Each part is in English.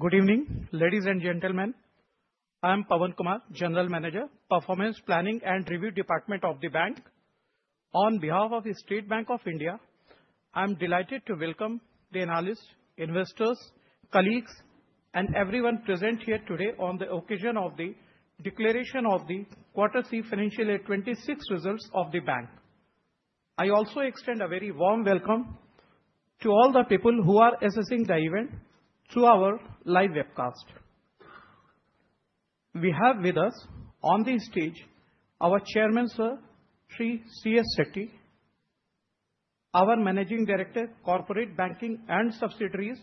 Good evening, ladies and gentlemen. I am Pavan Kumar, General Manager, Performance Planning and Review Department of the Bank. On behalf of the State Bank of India, I am delighted to welcome the analysts, investors, colleagues, and everyone present here today on the occasion of the declaration of the Third Quarter Financial Year 2026 results of the bank. I also extend a very warm welcome to all the people who are assessing the event through our live webcast. We have with us on the stage our chairman, Sir, Shri C.S. Setty. Our Managing Director, Corporate Banking and Subsidiaries,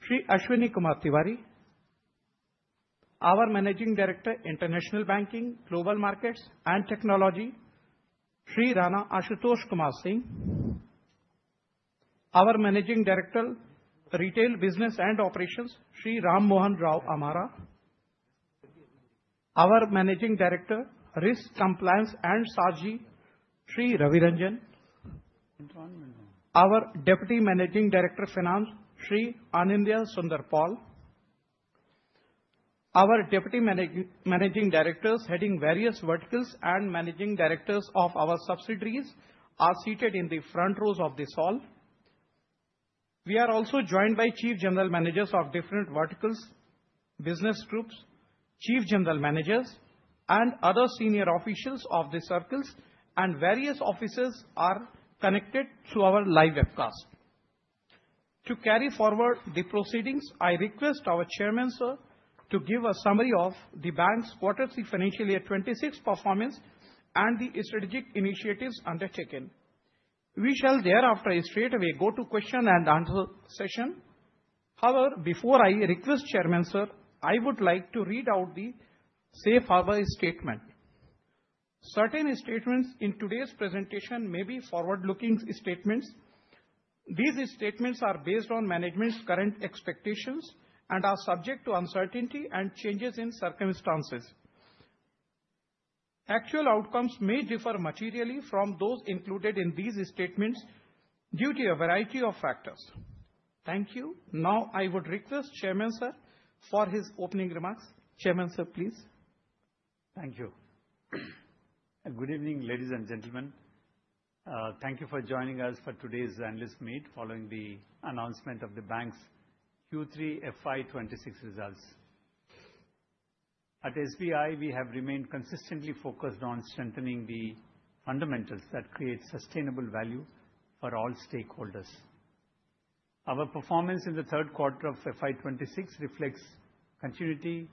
Shri Ashwini Kumar Tewari. Our Managing Director, International Banking, Global Markets and Technology, Shri Rana Ashutosh Kumar Singh. Our Managing Director, Retail Business and Operations, Shri Rama Mohan Rao Amara. Our Managing Director, Risk Compliance and SARG, Shri Ravi Ranjan. Our Deputy Managing Director, Finance, Shri Anindya Sundar Paul. Our Deputy Managing Directors heading various verticals and Managing Directors of our subsidiaries are seated in the front rows of this hall. We are also joined by Chief General Managers of different verticals, business groups, Chief General Managers and other senior officials of the circles and various officers are connected through our live webcast. To carry forward the proceedings, I request our chairman, sir, to give a summary of the Bank's Quarter Three Financial Year 26 performance and the strategic initiatives undertaken. We shall thereafter straightaway go to question and answer session. However, before I request Chairman, Sir, I would like to read out the safe harbor statement. Certain statements in today's presentation may be forward-looking statements. These statements are based on management's current expectations and are subject to uncertainty and changes in circumstances. Actual outcomes may differ materially from those included in these statements due to a variety of factors. Thank you. Now, I would request Chairman, Sir, for his opening remarks. Chairman, Sir, please. Thank you. Good evening, ladies and gentlemen. Thank you for joining us for today's analyst meet, following the announcement of the Bank's Q3 FY 2026 results. At SBI, we have remained consistently focused on strengthening the fundamentals that create sustainable value for all stakeholders. Our performance in the third quarter of FY 2026 reflects continuity,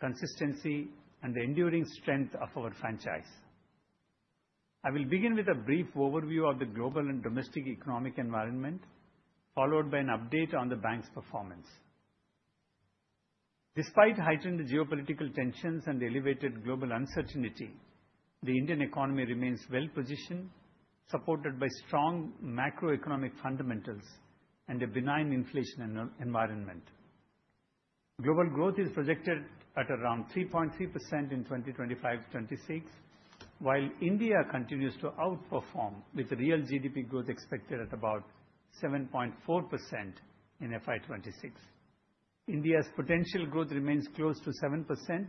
consistency and the enduring strength of our franchise. I will begin with a brief overview of the global and domestic economic environment, followed by an update on the Bank's performance. Despite heightened geopolitical tensions and elevated global uncertainty, the Indian economy remains well-positioned, supported by strong macroeconomic fundamentals and a benign inflation environment. Global growth is projected at around 3.3% in 2025-2026, while India continues to outperform, with real GDP growth expected at about 7.4% in FY 2026. India's potential growth remains close to 7%,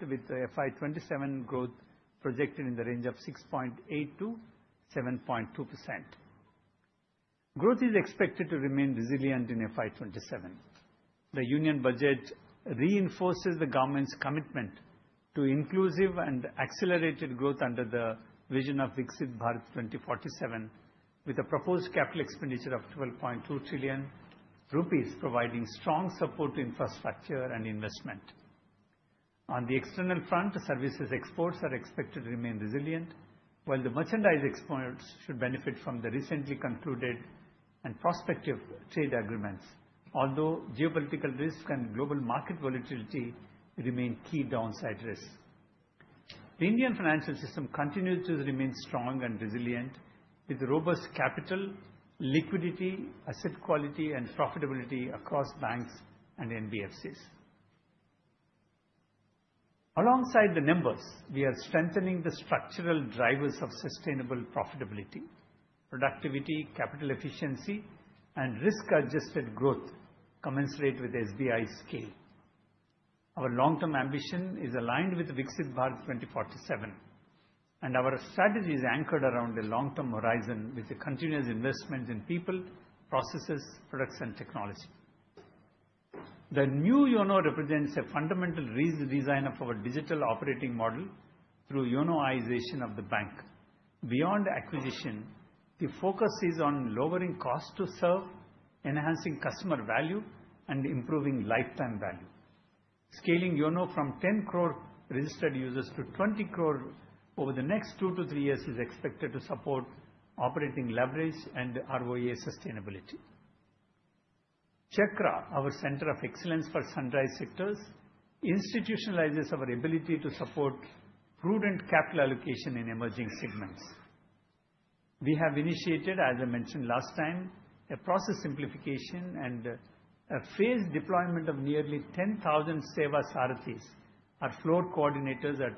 with FY 2027 growth projected in the range of 6.8%-7.2%. Growth is expected to remain resilient in FY 2027. The Union Budget reinforces the government's commitment to inclusive and accelerated growth under the vision of Viksit Bharat 2047, with a proposed capital expenditure of 12.2 trillion rupees, providing strong support to infrastructure and investment. On the external front, services exports are expected to remain resilient, while the merchandise exports should benefit from the recently concluded and prospective trade agreements, although geopolitical risk and global market volatility remain key downside risks. The Indian financial system continues to remain strong and resilient, with robust capital, liquidity, asset quality and profitability across banks and NBFCs. Alongside the numbers, we are strengthening the structural drivers of sustainable profitability, productivity, capital efficiency and risk-adjusted growth commensurate with SBI's scale. Our long-term ambition is aligned with Viksit Bharat 2047, and our strategy is anchored around a long-term horizon with a continuous investment in people, processes, products and technology. The new YONO represents a fundamental re-design of our digital operating model through YONOization of the bank. Beyond acquisition, the focus is on lowering cost to serve, enhancing customer value, and improving lifetime value. Scaling YONO from 10 crore registered users to 20 crore over the next two to three years is expected to support operating leverage and ROA sustainability. CHAKRA, our Center of Excellence for Sunrise Sectors, institutionalizes our ability to support prudent capital allocation in emerging segments. We have initiated, as I mentioned last time, a process simplification and a phased deployment of nearly 10,000 Seva Sarathis, our floor coordinators at high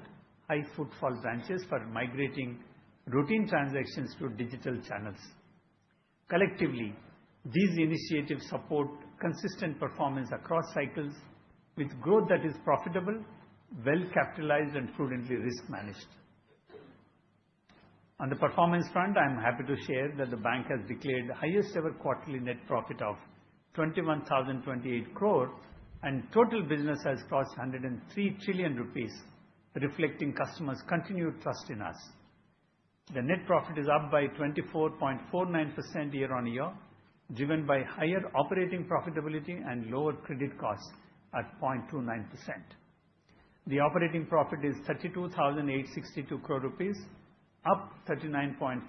footfall branches for migrating routine transactions to digital channels. Collectively, these initiatives support consistent performance across cycles with growth that is profitable, well-capitalized, and prudently risk managed. On the performance front, I'm happy to share that the bank has declared the highest ever quarterly net profit of 21,028 crore, and total business has crossed 103 trillion rupees, reflecting customers' continued trust in us. The net profit is up by 24.49% year-on-year, driven by higher operating profitability and lower credit costs at 0.29%. The operating profit is 32,862 crore rupees, up 39.54%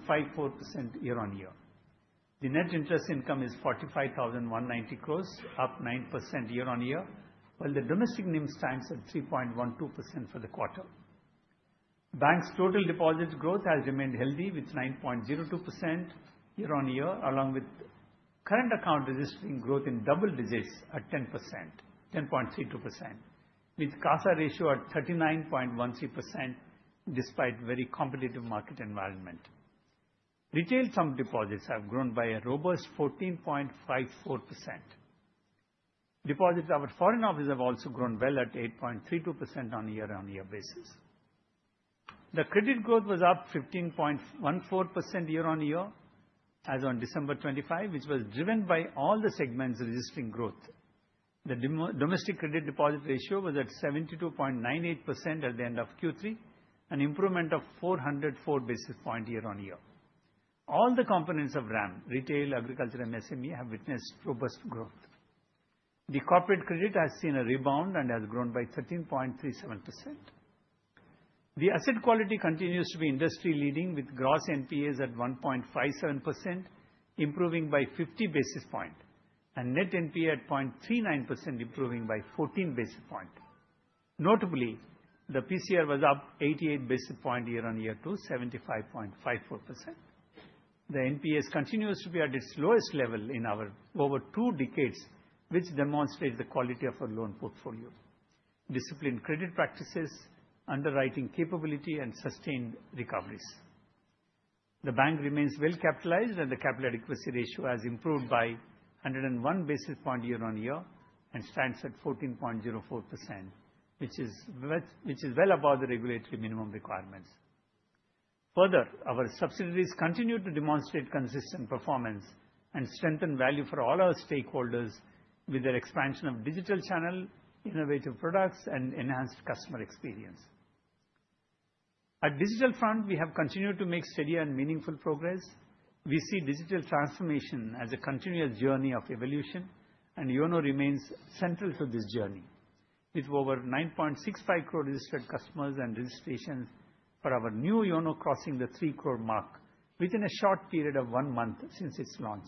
year-on-year. The net interest income is 45,190 crore, up 9% year-on-year, while the domestic NIM stands at 3.12% for the quarter. Bank's total deposits growth has remained healthy, with 9.02% year-on-year, along with current account registering growth in double digits at 10%, 10.32%, with CASA ratio at 39.13% despite very competitive market environment. Retail term deposits have grown by a robust 14.54%. Deposits at our foreign offices have also grown well at 8.32% on a year-on-year basis. The credit growth was up 15.14% year-on-year as on December 25, which was driven by all the segments registering growth. The domestic credit deposit ratio was at 72.98% at the end of Q3, an improvement of 404 basis points year-on-year. All the components of RAM, retail, agriculture, and SME, have witnessed robust growth. The corporate credit has seen a rebound and has grown by 13.37%. The asset quality continues to be industry leading, with gross NPAs at 1.57%, improving by 50 basis points, and net NPA at 0.39%, improving by 14 basis points. Notably, the PCR was up 88 basis points year-on-year to 75.54%. The NPAs continues to be at its lowest level in our over two decades, which demonstrates the quality of our loan portfolio, disciplined credit practices, underwriting capability, and sustained recoveries. The bank remains well capitalized, and the capital adequacy ratio has improved by 101 basis points year-on-year and stands at 14.04%, which is well above the regulatory minimum requirements. Further, our subsidiaries continue to demonstrate consistent performance and strengthen value for all our stakeholders with their expansion of digital channel, innovative products, and enhanced customer experience. At digital front, we have continued to make steady and meaningful progress. We see digital transformation as a continuous journey of evolution, and YONO remains central to this journey. With over 9.65 crore registered customers and registrations for our new YONO crossing the 3 crore mark within a short period of one month since its launch,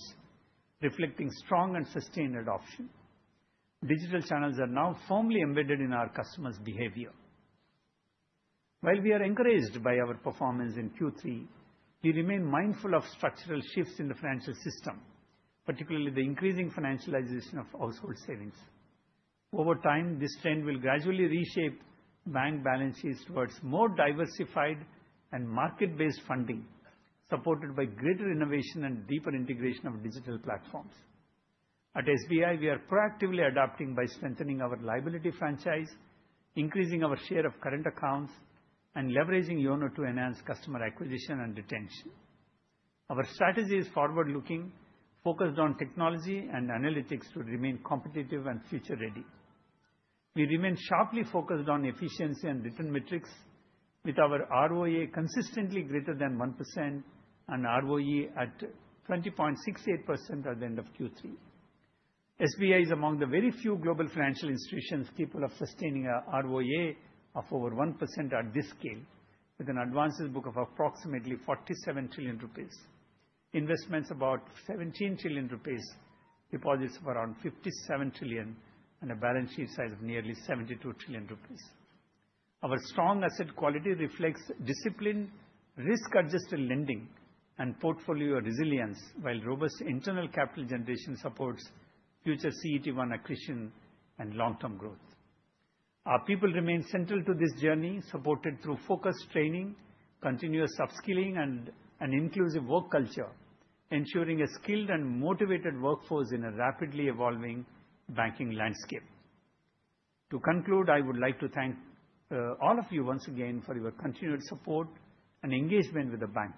reflecting strong and sustained adoption. Digital channels are now firmly embedded in our customers' behavior. While we are encouraged by our performance in Third Quarter, we remain mindful of structural shifts in the financial system, particularly the increasing financialization of household savings. Over time, this trend will gradually reshape bank balances towards more diversified and market-based funding, supported by greater innovation and deeper integration of digital platforms. At SBI, we are proactively adapting by strengthening our liability franchise, increasing our share of current accounts, and leveraging YONO to enhance customer acquisition and retention. Our strategy is forward-looking, focused on technology and analytics to remain competitive and future ready. We remain sharply focused on efficiency and return metrics, with our ROA consistently greater than 1% and ROE at 20.68% at the end of Q3. SBI is among the very few global financial institutions capable of sustaining a ROA of over 1% at this scale, with an advances book of approximately 47 trillion rupees, investments about 17 trillion rupees, deposits of around 57 trillion, and a balance sheet size of nearly 72 trillion rupees. Our strong asset quality reflects disciplined, risk-adjusted lending and portfolio resilience, while robust internal capital generation supports future CET1 accretion and long-term growth. Our people remain central to this journey, supported through focused training, continuous upskilling, and an inclusive work culture, ensuring a skilled and motivated workforce in a rapidly evolving banking landscape. To conclude, I would like to thank all of you once again for your continued support and engagement with the bank.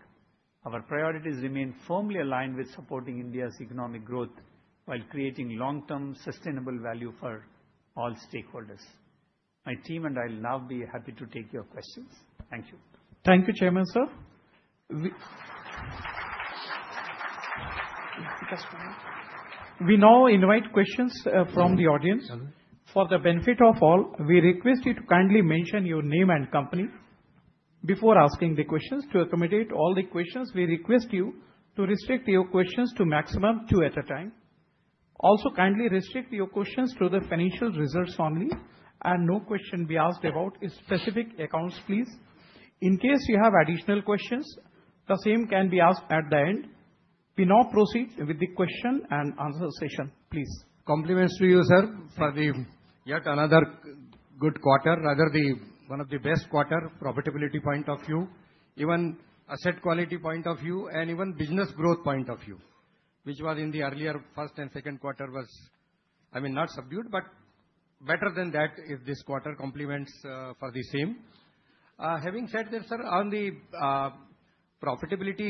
Our priorities remain firmly aligned with supporting India's economic growth while creating long-term, sustainable value for all stakeholders. My team and I will now be happy to take your questions. Thank you. Thank you, Chairman, sir. We now invite questions from the audience. For the benefit of all, we request you to kindly mention your name and company before asking the questions. To accommodate all the questions, we request you to restrict your questions to maximum two at a time. Also, kindly restrict your questions to the financial results only, and no question be asked about a specific accounts, please. In case you have additional questions, the same can be asked at the end. We now proceed with the question and answer session, please. Compliments to you, sir, for yet another good quarter, rather the one of the best quarter, profitability point of view, even asset quality point of view, and even business growth point of view, which was in the earlier first and Second Quarter was, I mean, not subdued, but better than that, if this quarter complements for the same. Having said this, sir, on the profitability,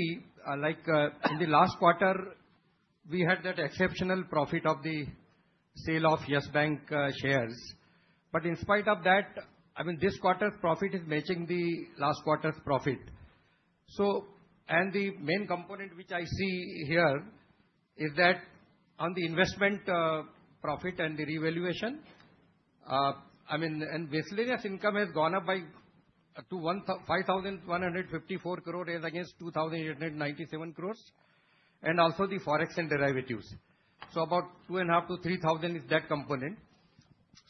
like, in the last quarter, we had that exceptional profit of the sale of Yes Bank shares. But in spite of that, I mean, this quarter's profit is matching the last quarter's profit. And the main component, which I see here, is that on the investment profit and the revaluation, I mean, and miscellaneous income has gone up by up to 5,154 crore as against 2,897 crore, and also the Forex and derivatives. So about 2,500-3,000 is that component.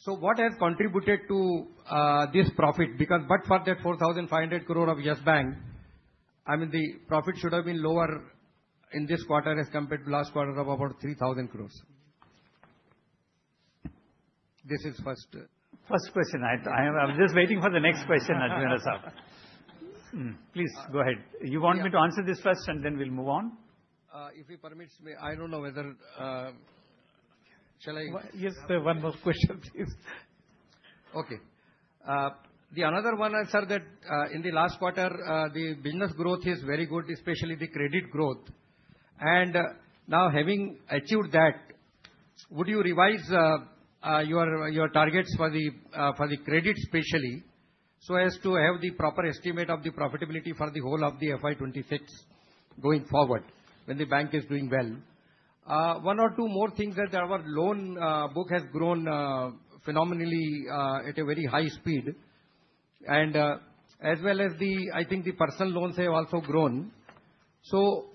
So what has contributed to this profit? Because but for that 4,500 crore of Yes Bank, I mean, the profit should have been lower in this quarter as compared to last quarter of about 3,000 crore. This is first. First question. I'm just waiting for the next question, Ajmera Sahab. Please, go ahead. You want me to answer this first, and then we'll move on? If you permit me. I don't know whether, shall I- Yes, there are one more question, please. Okay. The another one I saw that, in the last quarter, the business growth is very good, especially the credit growth. And now, having achieved that, would you revise your targets for the credit especially, so as to have the proper estimate of the profitability for the whole of the FY 2026 going forward, when the bank is doing well? One or two more things that our loan book has grown phenomenally at a very high speed, and as well as the... I think the personal loans have also grown. So,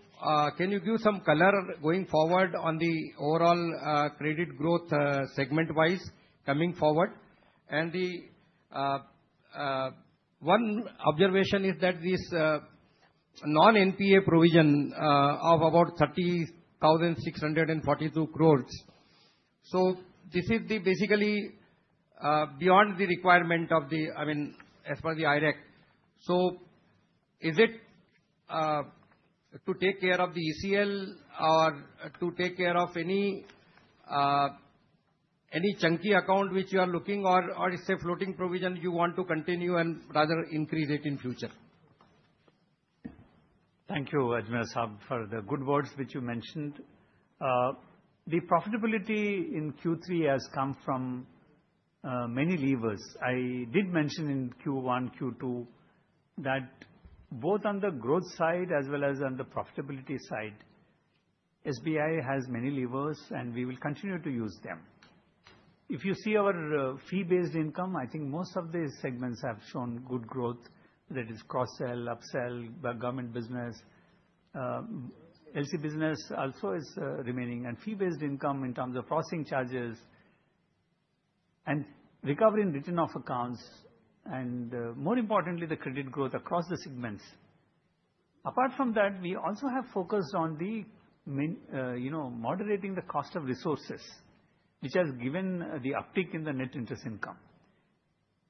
can you give some color going forward on the overall credit growth, segment-wise, coming forward? And the one observation is that this non-NPA provision of about INR 30,642 crore. So this is the basically, beyond the requirement of the, I mean, as per the IRAC. So is it to take care of the ECL or to take care of any, any chunky account which you are looking or, or it's a floating provision you want to continue and rather increase it in future? Thank you, Ajmera Sahab, for the good words which you mentioned. The profitability in Q3 has come from many levers. I did mention in Q1, Q2, that both on the growth side as well as on the profitability side, SBI has many levers, and we will continue to use them. If you see our fee-based income, I think most of these segments have shown good growth. That is cross-sell, up-sell, the government business, LC business also is remaining, and fee-based income in terms of processing charges and recovery in written-off accounts, and more importantly, the credit growth across the segments. Apart from that, we also have focused on you know, moderating the cost of resources, which has given the uptick in the net interest income.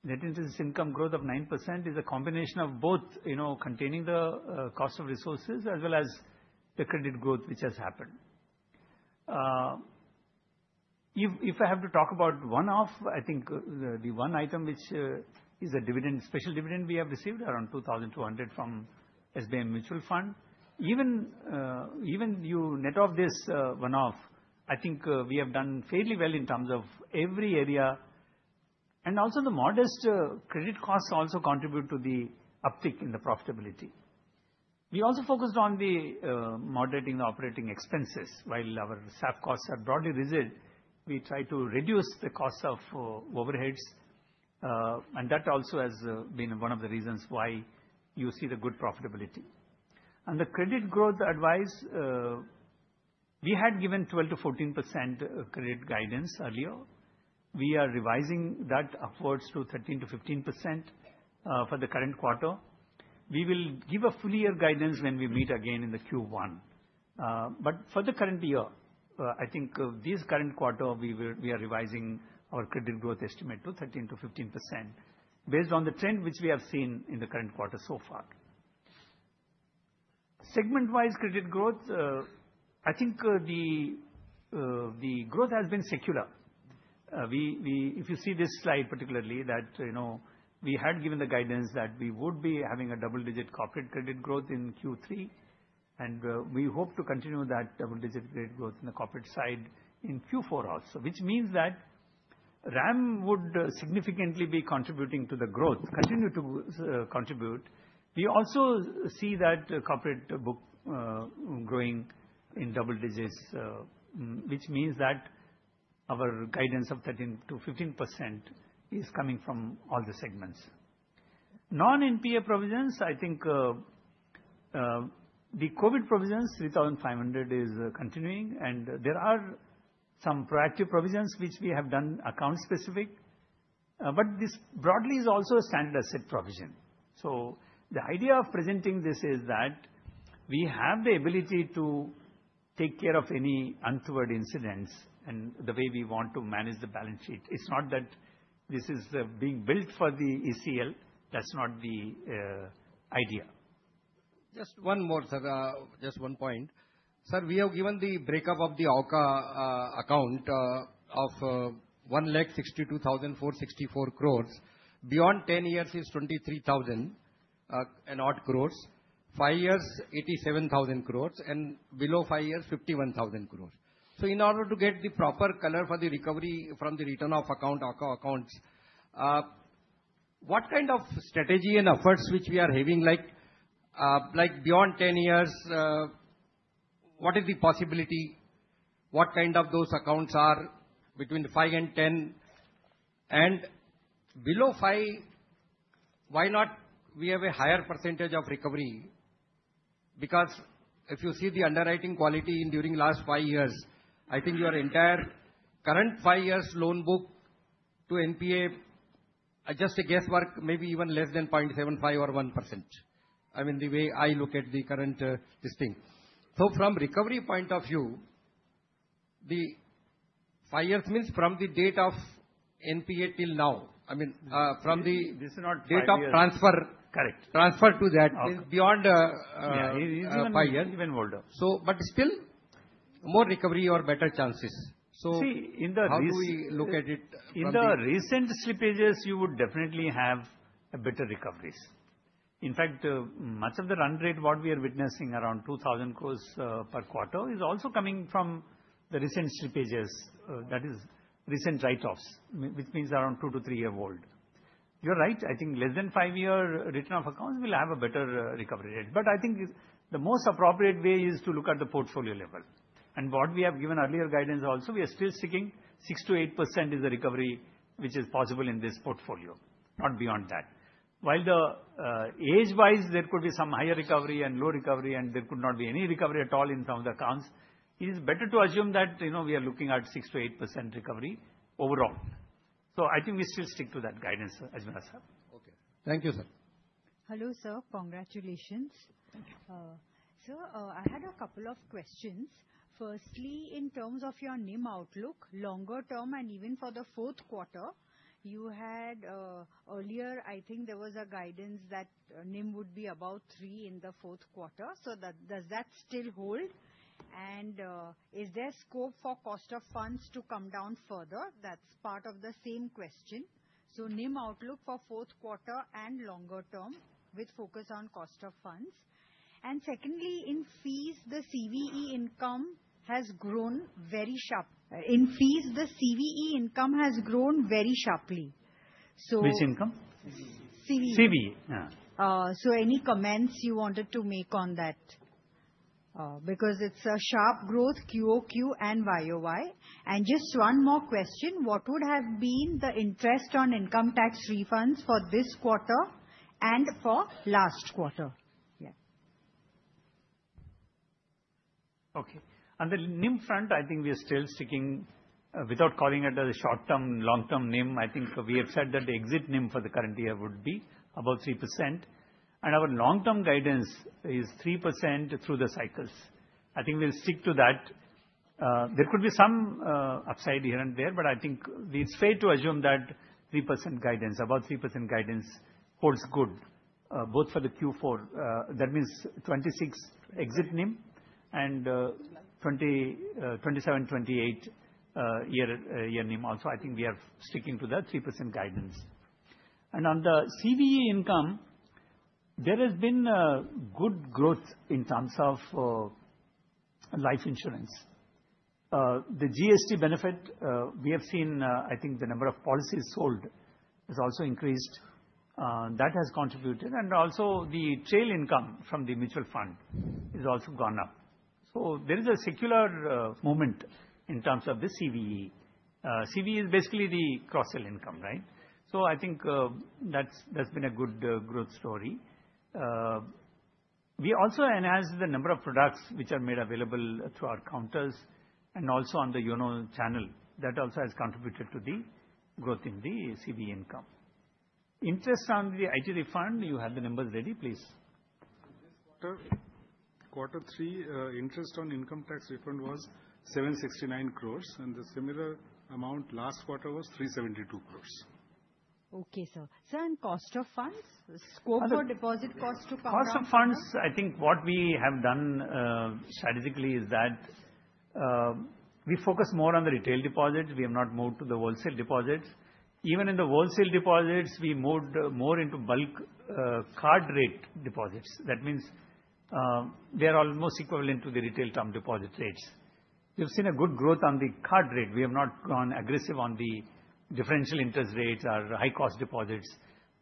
Net interest income growth of 9% is a combination of both, you know, containing the cost of resources as well as the credit growth, which has happened. If I have to talk about one-off, I think the one item which is a dividend, special dividend we have received around 2,200 from SBI Mutual Fund. Even, even you net off this one-off, I think we have done fairly well in terms of every area, and also the modest credit costs also contribute to the uptick in the profitability. We also focused on the moderating operating expenses. While our staff costs have broadly risen, we tried to reduce the costs of overheads, and that also has been one of the reasons why you see the good profitability. The credit growth advice, we had given 12%-14% credit guidance earlier. We are revising that upwards to 13%-15% for the current quarter. We will give a full year guidance when we meet again in the Q1. But for the current year, I think, this current quarter, we are revising our credit growth estimate to 13%-15% based on the trend which we have seen in the current quarter so far. Segment-wise, credit growth, I think, the growth has been secular. If you see this slide, particularly, that, you know, we had given the guidance that we would be having a double-digit corporate credit growth in Q3, and we hope to continue that double-digit credit growth in the corporate side in Q4 also, which means that RAM would significantly be contributing to the growth- continue to contribute. We also see that corporate book growing in double digits, which means that our guidance of 13%-15% is coming from all the segments. Non-NPA provisions, I think, the COVID provisions, 3,500, is continuing, and there are some proactive provisions which we have done, account specific, but this broadly is also a standard asset provision. So the idea of presenting this is that we have the ability to-... Take care of any untoward incidents and the way we want to manage the balance sheet. It's not that this is being built for the ECL. That's not the idea. Just one more, sir, just one point. Sir, we have given the breakup of the AUCA account of 1,62,464 crore. Beyond 10 years is 23,000-odd crore, five years, 87,000 crore, and below five years, 51,000 crore. So in order to get the proper color for the recovery from the return of account, AUCA accounts, what kind of strategy and efforts which we are having, like, like beyond 10 years, what is the possibility? What kind of those accounts are between the five and 10, and below five, why not we have a higher percentage of recovery? Because if you see the underwriting quality in during last five years, I think your entire current five years loan book to NPA, just a guesswork, maybe even less than 0.75% or 1%. I mean, the way I look at the current, this thing. So from recovery point of view, the five years means from the date of NPA till now. I mean, from the- This is not 5 years. Date of transfer. Correct. Transfer to that- Okay. - beyond five years. Even older. But still, more recovery or better chances. So- See, in the re- How do we look at it from the- In the recent slippages, you would definitely have a better recoveries. In fact, much of the run rate, what we are witnessing around 2,000 crore per quarter, is also coming from the recent slippages, that is recent write-offs, which means around two to three year-old. You're right, I think less than five year return of accounts will have a better recovery rate. But I think this, the most appropriate way is to look at the portfolio level. And what we have given earlier guidance also, we are still seeking 6%-8% is the recovery which is possible in this portfolio, not beyond that. While the age-wise, there could be some higher recovery and low recovery, and there could not be any recovery at all in some of the accounts, it is better to assume that, you know, we are looking at 6%-8% recovery overall. So I think we still stick to that guidance, Ajmera sir. Okay. Thank you, sir. Hello, sir. Congratulations. Sir, I had a couple of questions. Firstly, in terms of your NIM outlook, longer term and even for the Fourth Quarter, you had, earlier, I think there was a guidance that NIM would be about 3% in the fourth quarter. So that, does that still hold? And, is there scope for cost of funds to come down further? That's part of the same question. So NIM outlook for fourth quarter and longer term, with focus on cost of funds. And secondly, in fees, the CEB income has grown very sharp. In fees, the CEB income has grown very sharply. So- Which income? CEB. CEB. Yeah. So, any comments you wanted to make on that? Because it's a sharp growth, QOQ and YOY. Just one more question, what would have been the interest on income tax refunds for this quarter and for last quarter? Yeah. Okay. On the NIM front, I think we are still sticking, without calling it a short-term, long-term NIM, I think we have said that the exit NIM for the current year would be about 3%, and our long-term guidance is 3% through the cycles. I think we'll stick to that. There could be some upside here and there, but I think it's fair to assume that 3% guidance, about 3% guidance holds good, both for the Fourth Quarter, that means 2026 exit NIM and 2027, 2028 year NIM also. I think we are sticking to that 3% guidance. And on the CEB income, there has been a good growth in terms of life insurance. The GST benefit, we have seen, I think the number of policies sold has also increased, that has contributed, and also the trail income from the mutual fund has also gone up. So there is a secular moment in terms of the CEB. CEB is basically the cross-sell income, right? So I think, that's, that's been a good growth story. We also enhanced the number of products which are made available through our counters and also on the YONO channel. That also has contributed to the growth in the CEB income. Interest on the IT refund. You have the numbers ready? Please. Quarter Three, interest on income tax refund was 769 crore, and the similar amount last quarter was 372 crore. Okay, sir. Sir, and cost of funds, the scope for deposit costs to come down? Cost of funds, I think what we have done strategically is that we focus more on the retail deposits. We have not moved to the wholesale deposits. Even in the wholesale deposits, we moved more into bulk card rate deposits. That means they are almost equivalent to the retail term deposit rates. We've seen a good growth on the card rate. We have not gone aggressive on the differential interest rates or high-cost deposits.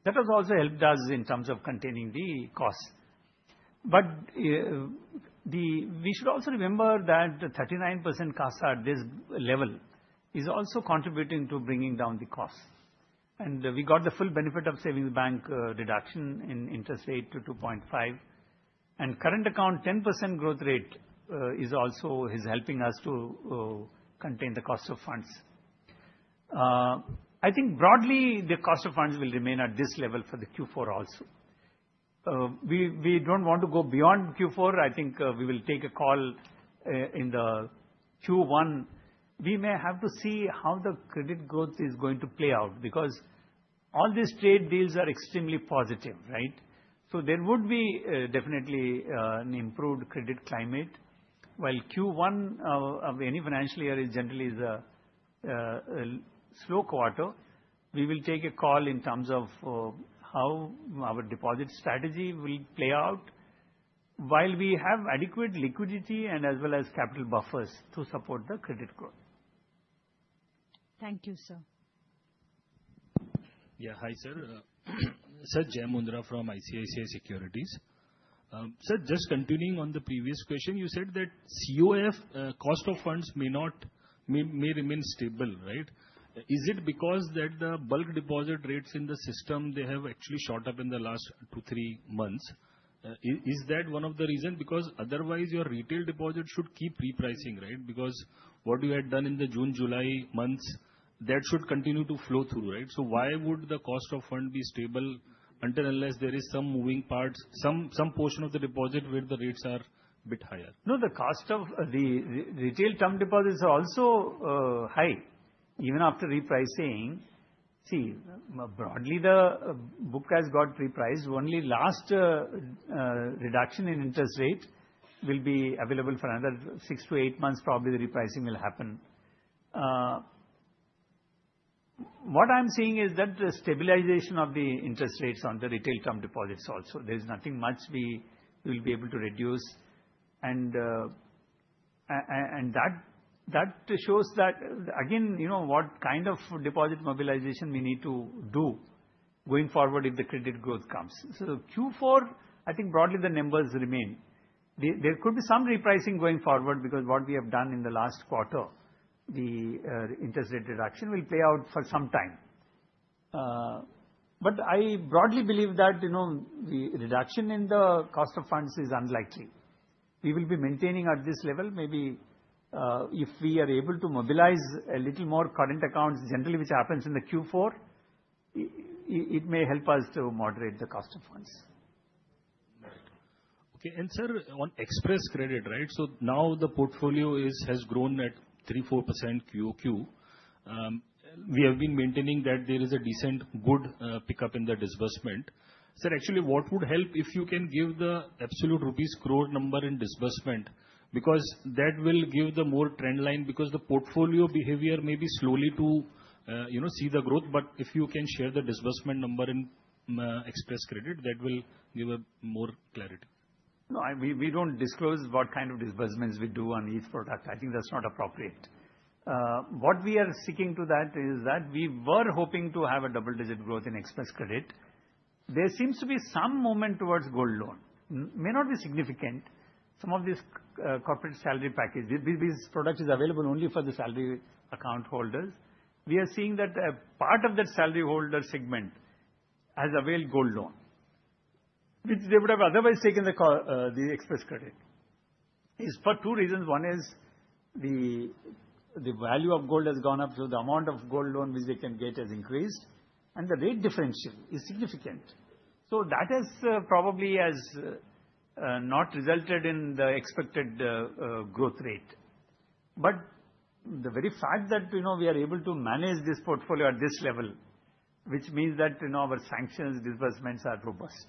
That has also helped us in terms of containing the cost. But we should also remember that the 39% cost at this level is also contributing to bringing down the cost. And we got the full benefit of savings bank reduction in interest rate to 2.5, and current account, 10% growth rate is also helping us to contain the cost of funds. I think broadly, the cost of funds will remain at this level for the Q4 also. We don't want to go beyond Q4. I think we will take a call in the Q1. We may have to see how the credit growth is going to play out, because all these trade deals are extremely positive, right? So there would be definitely an improved credit climate, while Q1 of any financial year is generally a slow quarter. We will take a call in terms of how our deposit strategy will play out while we have adequate liquidity and as well as capital buffers to support the credit growth. Thank you, sir. Yeah. Hi, sir. Sir, Jai Mundhra from ICICI Securities. Sir, just continuing on the previous question, you said that COF, cost of funds may not remain stable, right? Is it because that the bulk deposit rates in the system, they have actually shot up in the last two, three months? Is that one of the reason? Because otherwise, your retail deposit should keep repricing, right? Because what you had done in the June, July months, that should continue to flow through, right? So why would the cost of fund be stable until, unless there is some moving parts, some portion of the deposit where the rates are bit higher? No, the cost of the, the retail term deposits are also high, even after repricing. See, broadly, the book has got repriced. Only last reduction in interest rate will be available for another six to eight months, probably the repricing will happen. What I'm seeing is that the stabilization of the interest rates on the retail term deposits also. There's nothing much we will be able to reduce. And that shows that, again, you know, what kind of deposit mobilization we need to do going forward if the credit growth comes. So Q4, I think broadly the numbers remain. There could be some repricing going forward because what we have done in the last quarter, the interest rate reduction will play out for some time. But I broadly believe that, you know, the reduction in the cost of funds is unlikely. We will be maintaining at this level. Maybe, if we are able to mobilize a little more current accounts generally, which happens in the Q4, it may help us to moderate the cost of funds. Right. Okay, and sir, on Xpress Credit, right? So now the portfolio is, has grown at 3%-4% QOQ. We have been maintaining that there is a decent, good pickup in the disbursement. Sir, actually, what would help if you can give the absolute rupees crore number in disbursement, because that will give the more trend line, because the portfolio behavior may be slowly to, you know, see the growth. But if you can share the disbursement number in Xpress Credit, that will give a more clarity. No, we don't disclose what kind of disbursements we do on each product. I think that's not appropriate. What we are seeking to that is that we were hoping to have a double-digit growth in Xpress Credit. There seems to be some movement towards gold loan. May not be significant. Some of these corporate salary package, these product is available only for the salary account holders. We are seeing that a part of that salary holder segment has availed gold loan, which they would have otherwise taken the Xpress Credit. It's for two reasons. One is the value of gold has gone up, so the amount of gold loan which they can get has increased, and the rate differential is significant. So that is probably has not resulted in the expected growth rate. The very fact that, you know, we are able to manage this portfolio at this level, which means that, you know, our sanctions disbursements are robust.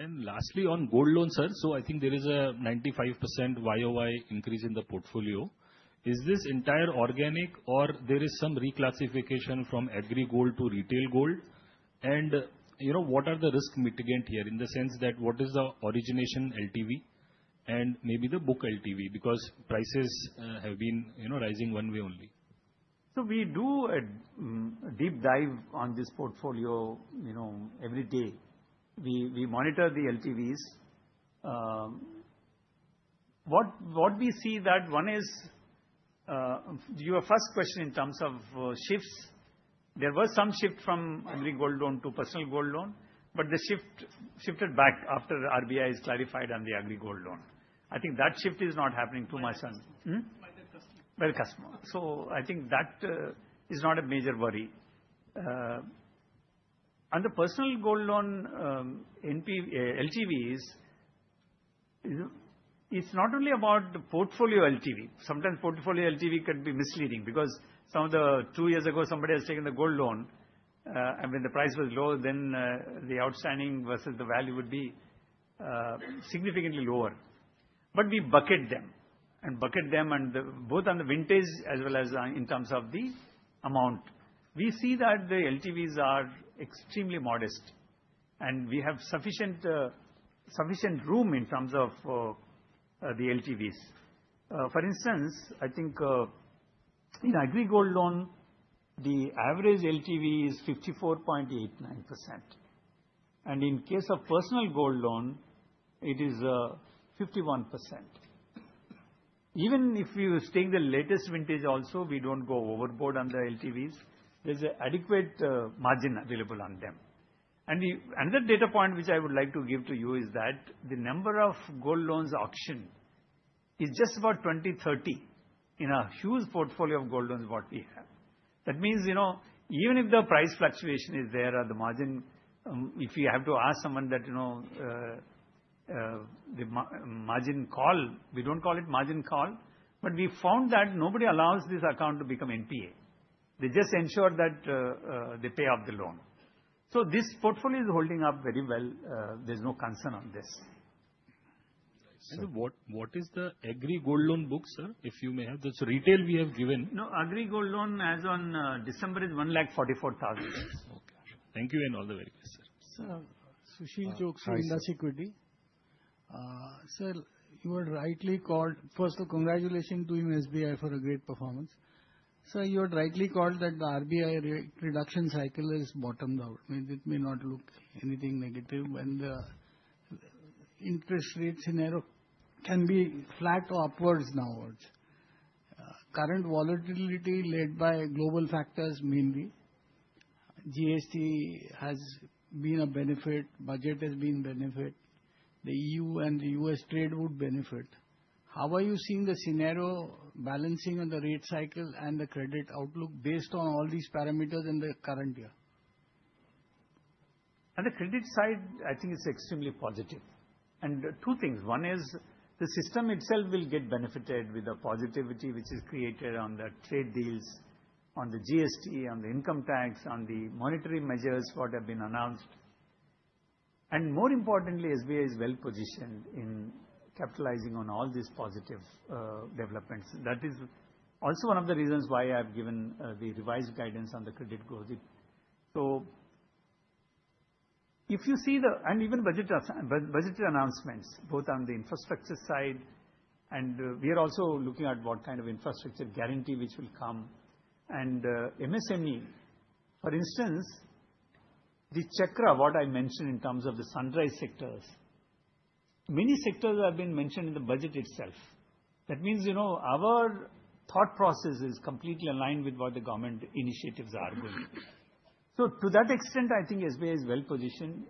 Lastly, on gold loans, sir, so I think there is a 95% YOY increase in the portfolio. Is this entire organic or there is some reclassification from agri gold to retail gold? And, you know, what are the risk mitigant here, in the sense that what is the origination LTV and maybe the book LTV, because prices have been, you know, rising one way only. So we do a deep dive on this portfolio, you know, every day. We monitor the LTVs. What we see that one is your first question in terms of shifts, there was some shift from agri gold loan to personal gold loan, but the shift shifted back after RBI is clarified on the agri gold loan. I think that shift is not happening too much anymore. By the customer. Hmm? By the customer. By the customer. So I think that is not a major worry. And the personal gold loan, NPA LTVs, you know, it's not only about the portfolio LTV. Sometimes portfolio LTV can be misleading because some of the two years ago, somebody has taken the gold loan, and when the price was low, then the outstanding versus the value would be significantly lower. But we bucket them, and bucket them on the both on the vintage as well as in terms of the amount. We see that the LTVs are extremely modest, and we have sufficient room in terms of the LTVs. For instance, I think in agri gold loan, the average LTV is 54.89%, and in case of personal gold loan, it is 51%. Even if you take the latest vintage also, we don't go overboard on the LTVs. There's an adequate margin available on them. And another data point which I would like to give to you is that the number of gold loans auctioned is just about 20-30 in our huge portfolio of gold loans what we have. That means, you know, even if the price fluctuation is there or the margin, if you have to ask someone that, you know, the margin call, we don't call it margin call, but we found that nobody allows this account to become NPA. They just ensure that they pay off the loan. So this portfolio is holding up very well. There's no concern on this. What, what is the Agri gold loan book, sir? If you may have. The retail we have given. No, agri gold loan as on December is 144,000. Okay. Thank you and all the very best, sir. Sir, Sushil Choksey, Indus Equity. Hi, Sir. Sir, you are rightly called-- First of all, congratulations to you and SBI for a great performance. Sir, you had rightly called that the RBI rate reduction cycle is bottomed out, and it may not look anything negative when the interest rates scenario can be flat or upwards now onwards. Current volatility led by global factors, mainly. GST has been a benefit, budget has been benefit, the EU and the US trade would benefit. How are you seeing the scenario balancing on the rate cycle and the credit outlook based on all these parameters in the current year? On the credit side, I think it's extremely positive. And two things: One is, the system itself will get benefited with the positivity which is created on the trade deals, on the GST, on the income tax, on the monetary measures, what have been announced. And more importantly, SBI is well-positioned in capitalizing on all these positive developments. That is also one of the reasons why I've given the revised guidance on the credit growth. So if you see the and even budget announcements, both on the infrastructure side, and we are also looking at what kind of infrastructure guarantee which will come. And MSME, for instance, the chakra, what I mentioned in terms of the sunrise sectors, many sectors have been mentioned in the budget itself. That means, you know, our thought process is completely aligned with what the government initiatives are doing. So to that extent, I think SBI is well-positioned,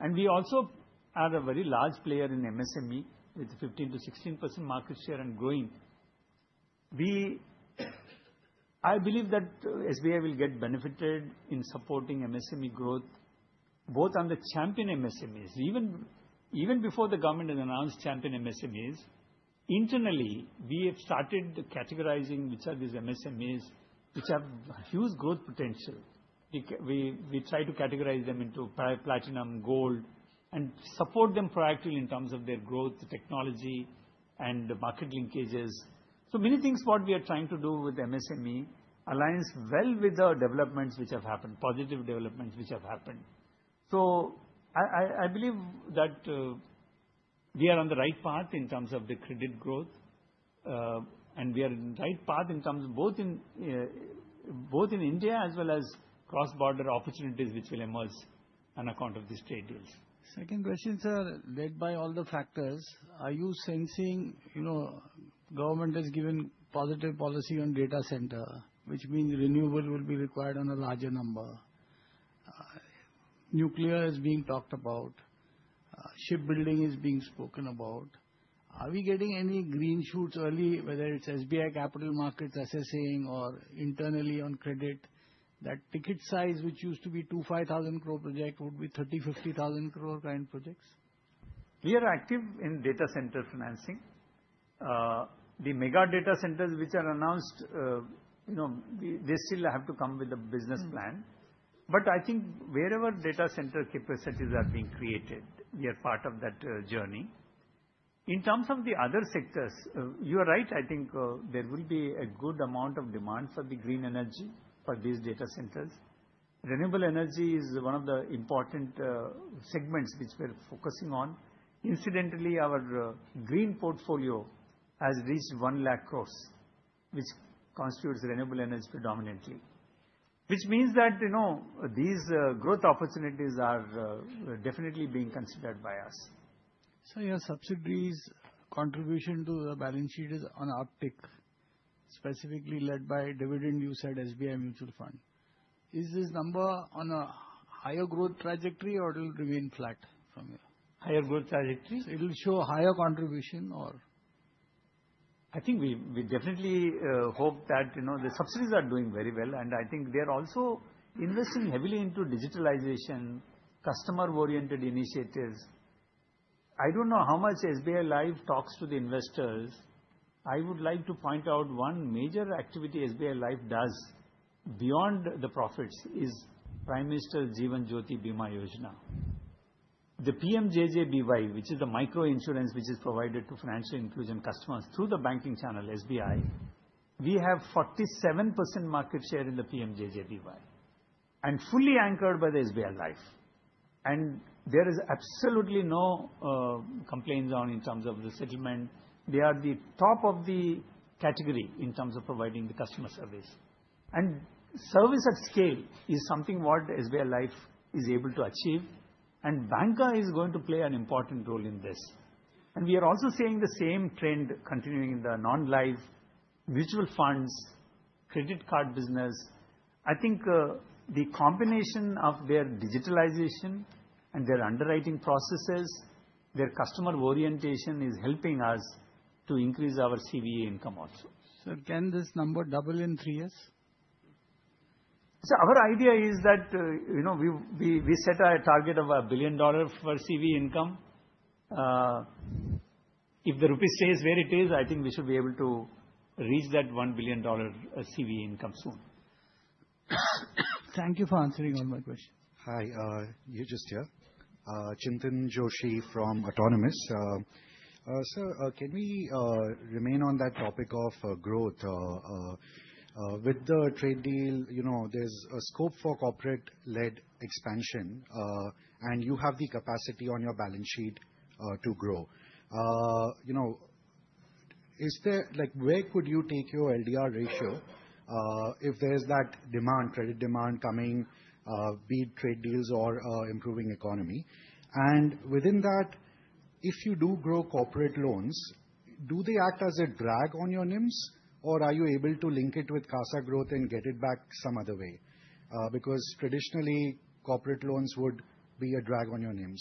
and we also are a very large player in MSME, with 15%-16% market share and growing. We, I believe that SBI will get benefited in supporting MSME growth, both on the champion MSMEs. Even before the government had announced champion MSMEs, internally, we have started categorizing which are these MSMEs, which have huge growth potential. We try to categorize them into platinum, gold, and support them proactively in terms of their growth, technology, and market linkages. So many things, what we are trying to do with MSME aligns well with the developments which have happened, positive developments which have happened. So I believe that we are on the right path in terms of the credit growth, and we are in the right path in terms both in India as well as cross-border opportunities, which will emerge on account of the trade deals. Second question, sir: Led by all the factors, are you sensing, you know, government has given positive policy on data center, which means renewable will be required on a larger number. Nuclear is being talked about, shipbuilding is being spoken about. Are we getting any green shoots early, whether it's SBI Capital Markets assessing or internally on credit, that ticket size, which used to be 2,000 crore-5,000 crore project, will be 30,000 crore-50,000 crore kind projects? We are active in data center financing. The mega data centers which are announced, you know, they, they still have to come with a business plan. Mm. I think wherever data center capacities are being created, we are part of that, journey. In terms of the other sectors, you are right, I think, there will be a good amount of demand for the green energy for these data centers. Renewable energy is one of the important, segments which we're focusing on. Incidentally, our green portfolio has reached 100,000 crore, which constitutes renewable energy predominantly. Which means that, you know, these growth opportunities are definitely being considered by us. So your subsidiaries' contribution to the balance sheet is on uptick, specifically led by dividend, you said SBI Mutual Fund. Is this number on a higher growth trajectory, or it will remain flat from here? Higher growth trajectory. It will show higher contribution or...? I think we, we definitely hope that, you know, the subsidiaries are doing very well, and I think they are also investing heavily into digitalization, customer-oriented initiatives. I don't know how much SBI Life talks to the investors. I would like to point out one major activity SBI Life does beyond the profits is Pradhan Mantri Jeevan Jyoti Bima Yojana. The PMJJBY, which is the micro insurance which is provided to financial inclusion customers through the banking channel, SBI, we have 47% market share in the PMJJBY, and fully anchored by the SBI Life. And there is absolutely no complaints on in terms of the settlement. They are the top of the category in terms of providing the customer service. And service at scale is something what SBI Life is able to achieve, and banca is going to play an important role in this. We are also seeing the same trend continuing in the non-life mutual funds.... credit card business, I think, the combination of their digitalization and their underwriting processes, their customer orientation is helping us to increase our CVA income also. Sir, can this number double in three years? So our idea is that, you know, we set a target of $1 billion for CV income. If the rupee stays where it is, I think we should be able to reach that $1 billion CV income soon. Thank you for answering all my questions. Hi, Chintan Joshi here from Autonomous. Sir, can we remain on that topic of growth? With the trade deal, you know, there's a scope for corporate-led expansion, and you have the capacity on your balance sheet to grow. You know, is there where could you take your LDR ratio, if there is that demand, credit demand coming, be it trade deals or improving economy? And within that, if you do grow corporate loans, do they act as a drag on your NIMs, or are you able to link it with CASA growth and get it back some other way? Because traditionally, corporate loans would be a drag on your NIMs.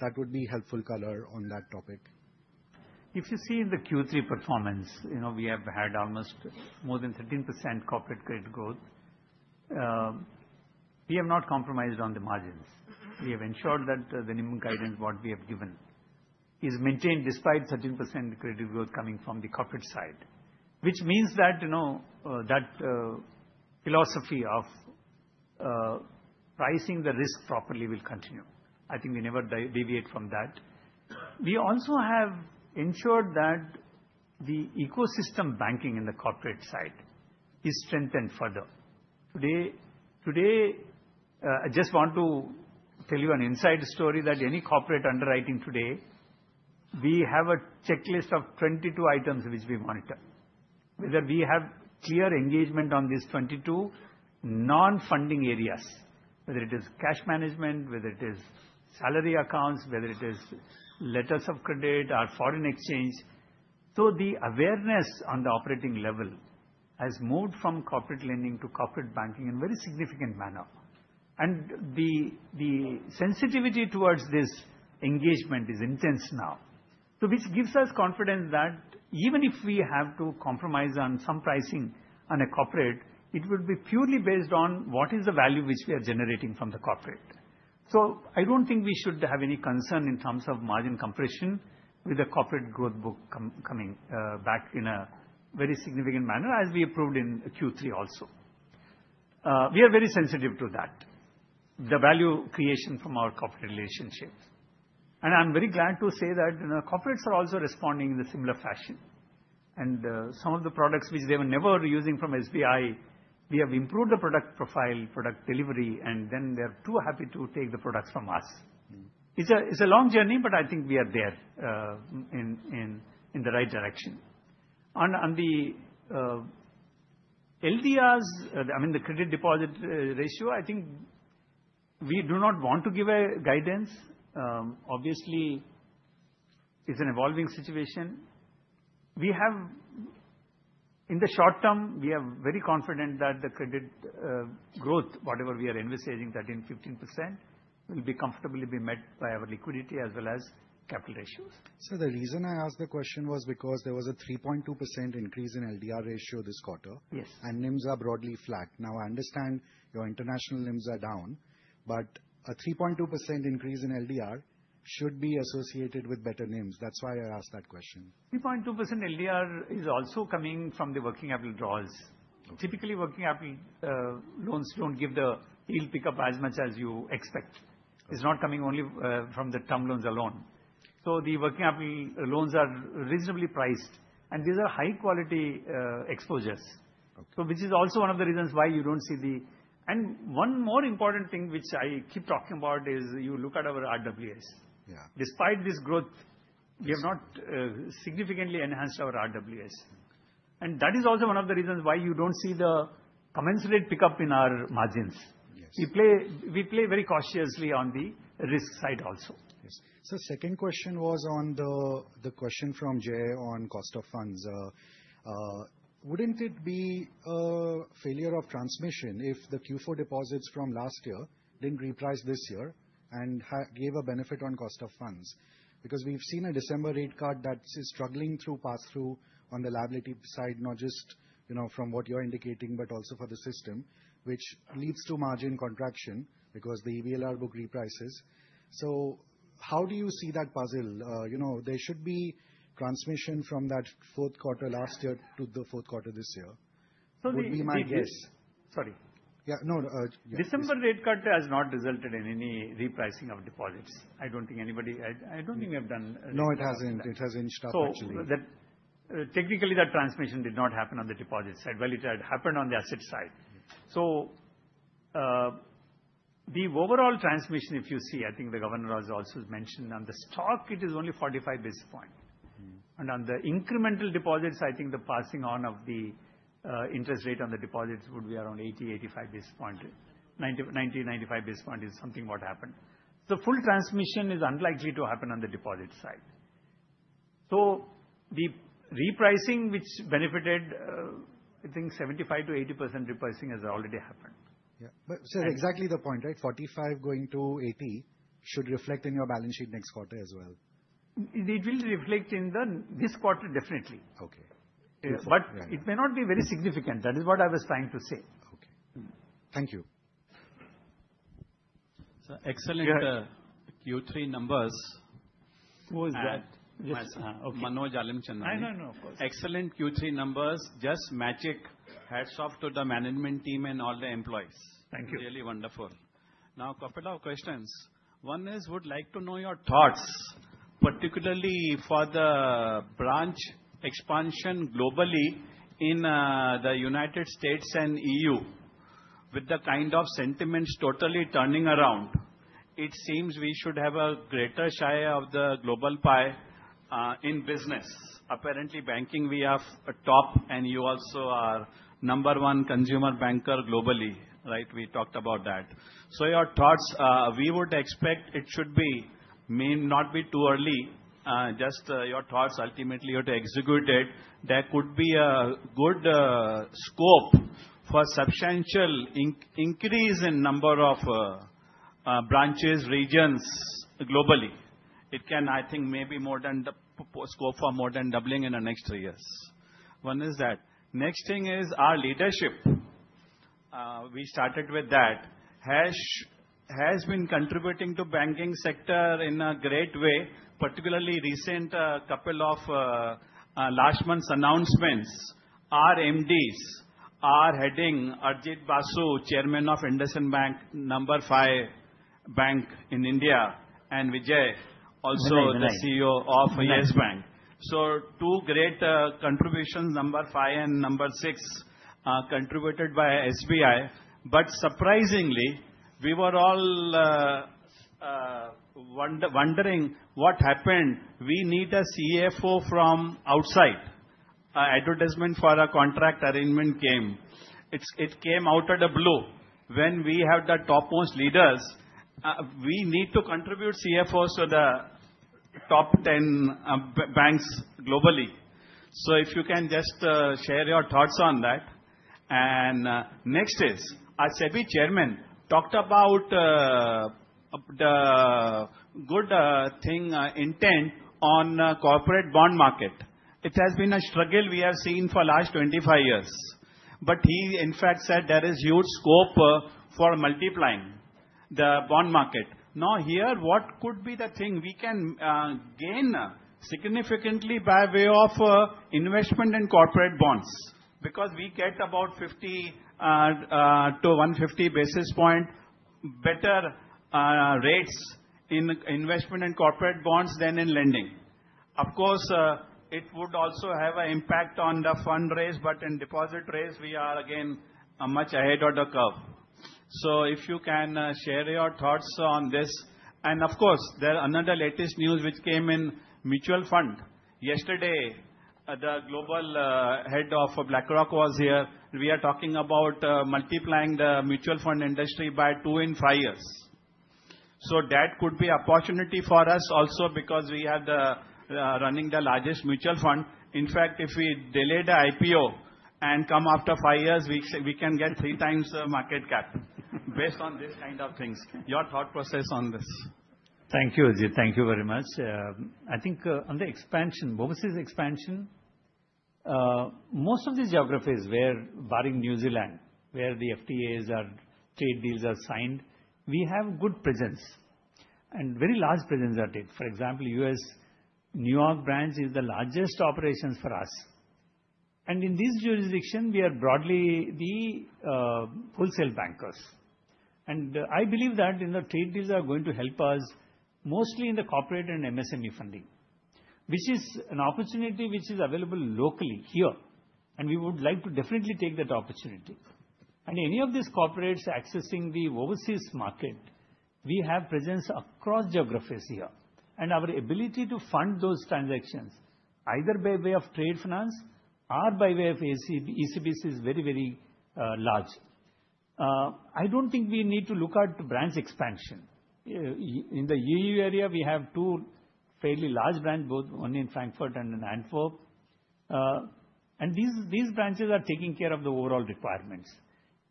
That would be helpful color on that topic. If you see the Q3 performance, you know, we have had almost more than 13% corporate credit growth. We have not compromised on the margins. We have ensured that the NIM guidance, what we have given is maintained despite 13% credit growth coming from the corporate side, which means that, you know, that philosophy of pricing the risk properly will continue. I think we never deviate from that. We also have ensured that the ecosystem banking in the corporate side is strengthened further. Today, I just want to tell you an inside story, that any corporate underwriting today, we have a checklist of 22 items which we monitor. Whether we have clear engagement on these 22 non-funding areas, whether it is cash management, whether it is salary accounts, whether it is letters of credit or foreign exchange. So the awareness on the operating level has moved from corporate lending to corporate banking in a very significant manner, and the sensitivity towards this engagement is intense now. So which gives us confidence that even if we have to compromise on some pricing on a corporate, it would be purely based on what is the value which we are generating from the corporate. So I don't think we should have any concern in terms of margin compression with the corporate growth book coming back in a very significant manner, as we approved in Q3 also. We are very sensitive to that, the value creation from our corporate relationships, and I'm very glad to say that, you know, corporates are also responding in a similar fashion. Some of the products which they were never using from SBI, we have improved the product profile, product delivery, and then they are too happy to take the products from us. It's a long journey, but I think we are there in the right direction. On the LDRs, I mean, the credit deposit ratio, I think we do not want to give a guidance. Obviously, it's an evolving situation. We have. In the short term, we are very confident that the credit growth, whatever we are envisaging, that in 15% will be comfortably be met by our liquidity as well as capital ratios. The reason I asked the question was because there was a 3.2% increase in LDR ratio this quarter. Yes. NIMs are broadly flat. Now, I understand your international NIMs are down, but a 3.2% increase in LDR should be associated with better NIMs. That's why I asked that question. 3.2% LDR is also coming from the working capital draws. Okay. Typically, working capital, loans don't give the yield pickup as much as you expect. It's not coming only, from the term loans alone. So the working capital loans are reasonably priced, and these are high quality, exposures. Okay. Which is also one of the reasons why you don't see the... One more important thing which I keep talking about is you look at our RWAs. Yeah. Despite this growth- Yes. We have not significantly enhanced our RWAs, and that is also one of the reasons why you don't see the commensurate pickup in our margins. Yes. We play very cautiously on the risk side also. Yes. So second question was on the, the question from Jai on cost of funds. Wouldn't it be a failure of transmission if the Q4 deposits from last year didn't reprice this year and gave a benefit on cost of funds? Because we've seen a December rate cut that is struggling through pass-through on the liability side, not just, you know, from what you're indicating, but also for the system, which leads to margin contraction because the EBLR book reprices. So how do you see that puzzle? You know, there should be transmission from that fourth quarter last year to the Fourth Quarter this year. So the- Would be my guess. Sorry. Yeah, no, yes. December rate cut has not resulted in any repricing of deposits. I don't think anybody... I don't think we have done- No, it hasn't. It hasn't stopped actually. So that, technically, that transmission did not happen on the deposit side. Well, it had happened on the asset side. Yes. So, the overall transmission, if you see, I think the governor has also mentioned on the stock, it is only 45 basis point. Mm-hmm. On the incremental deposits, I think the passing on of the interest rate on the deposits would be around 80-85 basis points. 90-95 basis points is something what happened. So full transmission is unlikely to happen on the deposit side. So the repricing, which benefited, I think 75%-80% repricing has already happened. Yeah. But, sir, exactly the point, right? 45 going to 80 should reflect in your balance sheet next quarter as well. It will reflect in this quarter, definitely. Okay. But it may not be very significant. That is what I was trying to say. Okay. Thank you. Sir, excellent Q3 numbers. Who is that? Manoj Alimchandani. No, no, no, of course. Excellent Q3 numbers. Just magic. Hats off to the management team and all the employees. Thank you. Really wonderful. Now, couple of questions. One is, would like to know your thoughts, particularly for the branch expansion globally in the United States and EU, with the kind of sentiments totally turning around, it seems we should have a greater share of the global pie in business. Apparently, banking, we are a top, and you also are number 1 consumer banker globally, right? We talked about that. So your thoughts... We would expect it should be, may not be too early, just your thoughts ultimately how to execute it. That could be a good scope for substantial increase in number of branches, regions, globally. It can, I think, maybe more than double, scope for more than doubling in the next three years. One is that. Next thing is our leadership, we started with that, has been contributing to banking sector in a great way, particularly recent couple of last month's announcements. Our MDs are heading, Arijit Basu, chairman of IndusInd Bank, number five bank in India, and Vijay, also the CEO of Yes Bank. So two great contributions, number five and number six, are contributed by SBI. But surprisingly, we were all wondering what happened. We need a CFO from outside. Advertisement for a contract arrangement came. It came out of the blue. When we have the topmost leaders, we need to contribute CFOs to the top 10 banks globally. So if you can just share your thoughts on that. Next is, our SEBI chairman talked about the good thing intent on corporate bond market. It has been a struggle we have seen for last 25 years, but he, in fact, said there is huge scope for multiplying the bond market. Now, here, what could be the thing we can gain significantly by way of investment in corporate bonds? Because we get about 50 to 150 basis point better rates in investment in corporate bonds than in lending. Of course, it would also have an impact on the fund raise, but in deposit raise, we are again much ahead of the curve. So if you can share your thoughts on this. And of course, there are another latest news which came in mutual fund. Yesterday, the global head of BlackRock was here. We are talking about multiplying the mutual fund industry by two in five years. So that could be opportunity for us also, because we are the running the largest mutual fund. In fact, if we delay the IPO and come after five years, we can get 3x the market cap, based on this kind of things. Your thought process on this? Thank you, Ajit. Thank you very much. I think, on the expansion, overseas expansion, most of these geographies where, barring New Zealand, where the FTAs are, trade deals are signed, we have good presence and very large presence at it. For example, U.S., New York branch is the largest operations for us, and in this jurisdiction, we are broadly the, wholesale bankers. And I believe that in the trade deals are going to help us mostly in the corporate and MSME funding, which is an opportunity which is available locally here, and we would like to definitely take that opportunity. And any of these corporates accessing the overseas market, we have presence across geographies here, and our ability to fund those transactions, either by way of trade finance or by way of LC and ECB, is very, very, large. I don't think we need to look at branch expansion. In the E.U. area, we have two fairly large branch, both, one in Frankfurt and in Antwerp. And these branches are taking care of the overall requirements.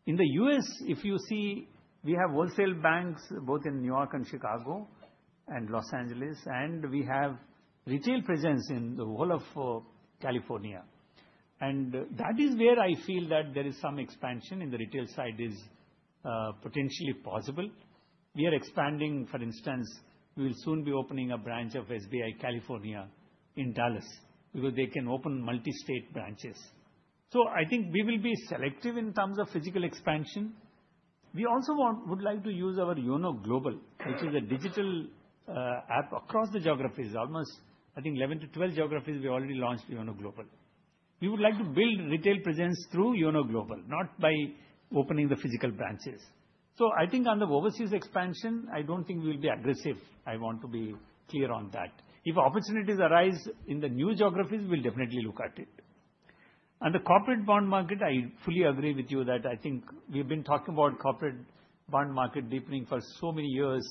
In the U.S., if you see, we have wholesale banks both in New York and Chicago and Los Angeles, and we have retail presence in the whole of California. And that is where I feel that there is some expansion in the retail side is potentially possible. We are expanding—for instance, we will soon be opening a branch of SBI California in Dallas, because they can open multi-state branches. So I think we will be selective in terms of physical expansion. We also would like to use our YONO Global, which is a digital app across the geographies. Almost, I think, 11-12 geographies, we already launched YONO Global. We would like to build retail presence through YONO Global, not by opening the physical branches. So I think on the overseas expansion, I don't think we'll be aggressive. I want to be clear on that. If opportunities arise in the new geographies, we'll definitely look at it. And the corporate bond market, I fully agree with you that I think we've been talking about corporate bond market deepening for so many years.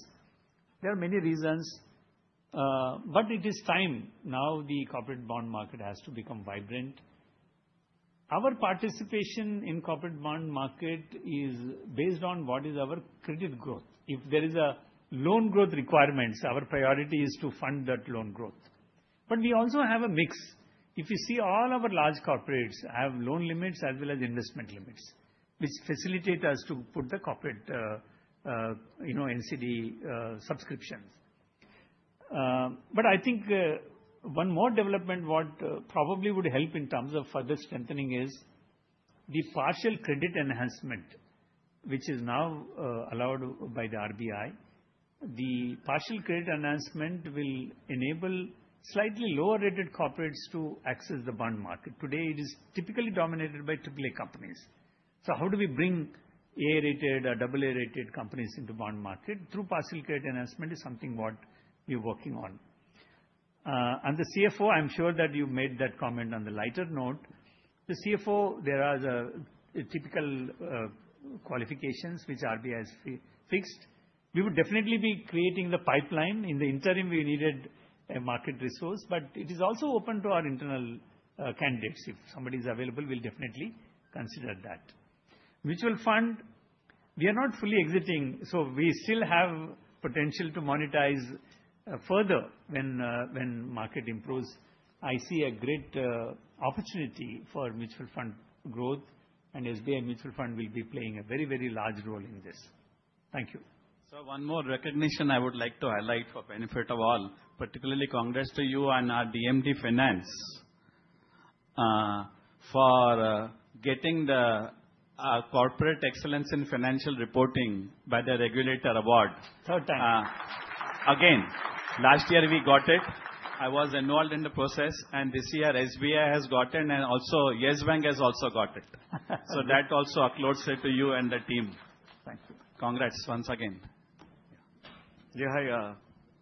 There are many reasons, but it is time now the corporate bond market has to become vibrant. Our participation in corporate bond market is based on what is our credit growth. If there is a loan growth requirements, our priority is to fund that loan growth. But we also have a mix. If you see all our large corporates have loan limits as well as investment limits, which facilitate us to put the corporate, you know, NCD subscriptions. But I think, one more development what probably would help in terms of further strengthening is the partial credit enhancement, which is now allowed by the RBI. The partial credit enhancement will enable slightly lower-rated corporates to access the bond market. Today, it is typically dominated by triple-A companies. So how do we bring A-rated or double A-rated companies into bond market? Through partial credit enhancement is something what we're working on. And the CFO, I'm sure that you made that comment on the lighter note. The CFO, there are the typical qualifications which RBI has fixed. We would definitely be creating the pipeline. In the interim, we needed a market resource, but it is also open to our internal, candidates. If somebody is available, we'll definitely consider that. Mutual fund, we are not fully exiting, so we still have potential to monetize, further when, when market improves. I see a great, opportunity for mutual fund growth, and SBI Mutual Fund will be playing a very, very large role in this. Thank you. Sir, one more recognition I would like to highlight for benefit of all, particularly congrats to you on our DMD Finance for getting the Corporate Excellence in Financial Reporting by the Regulator award. Thank you. Again, last year we got it. I was involved in the process, and this year SBI has gotten and also Yes Bank has also got it. So that also uploads it to you and the team. Thank you. Congrats once again. Yeah, hi,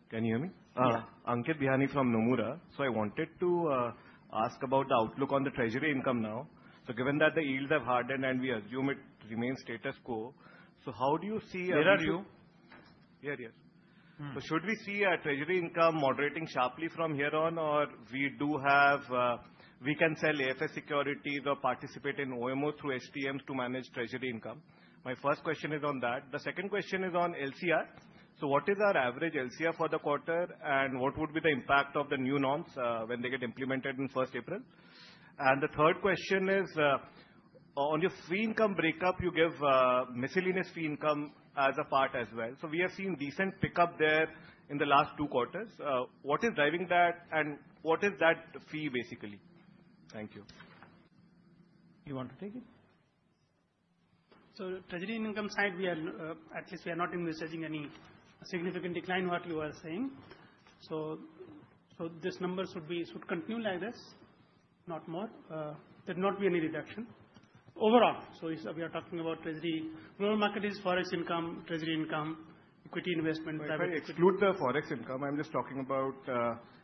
can you hear me? Yeah. Ankit Bihani from Nomura. So I wanted to ask about the outlook on the treasury income now. So given that the yields have hardened and we assume it remains status quo, so how do you see- Where are you? Yeah, yeah. Mm. So should we see our treasury income moderating sharply from here on, or we do have, we can sell AFS securities or participate in OMO through HTMs to manage treasury income? My first question is on that. The second question is on LCR. So what is our average LCR for the quarter, and what would be the impact of the new norms, when they get implemented in first April? And the third question is, on your fee income breakup, you give, miscellaneous fee income as a part as well. So we have seen decent pickup there in the last two quarters. What is driving that, and what is that fee, basically? Thank you. You want to take it? So treasury income side, we are, at least we are not envisaging any significant decline, what you are saying. So, so this number should be, should continue like this, not more. There not be any reduction. Overall, so if we are talking about treasury, overall market is Forex income, treasury income, equity investment- If I exclude the Forex income, I'm just talking about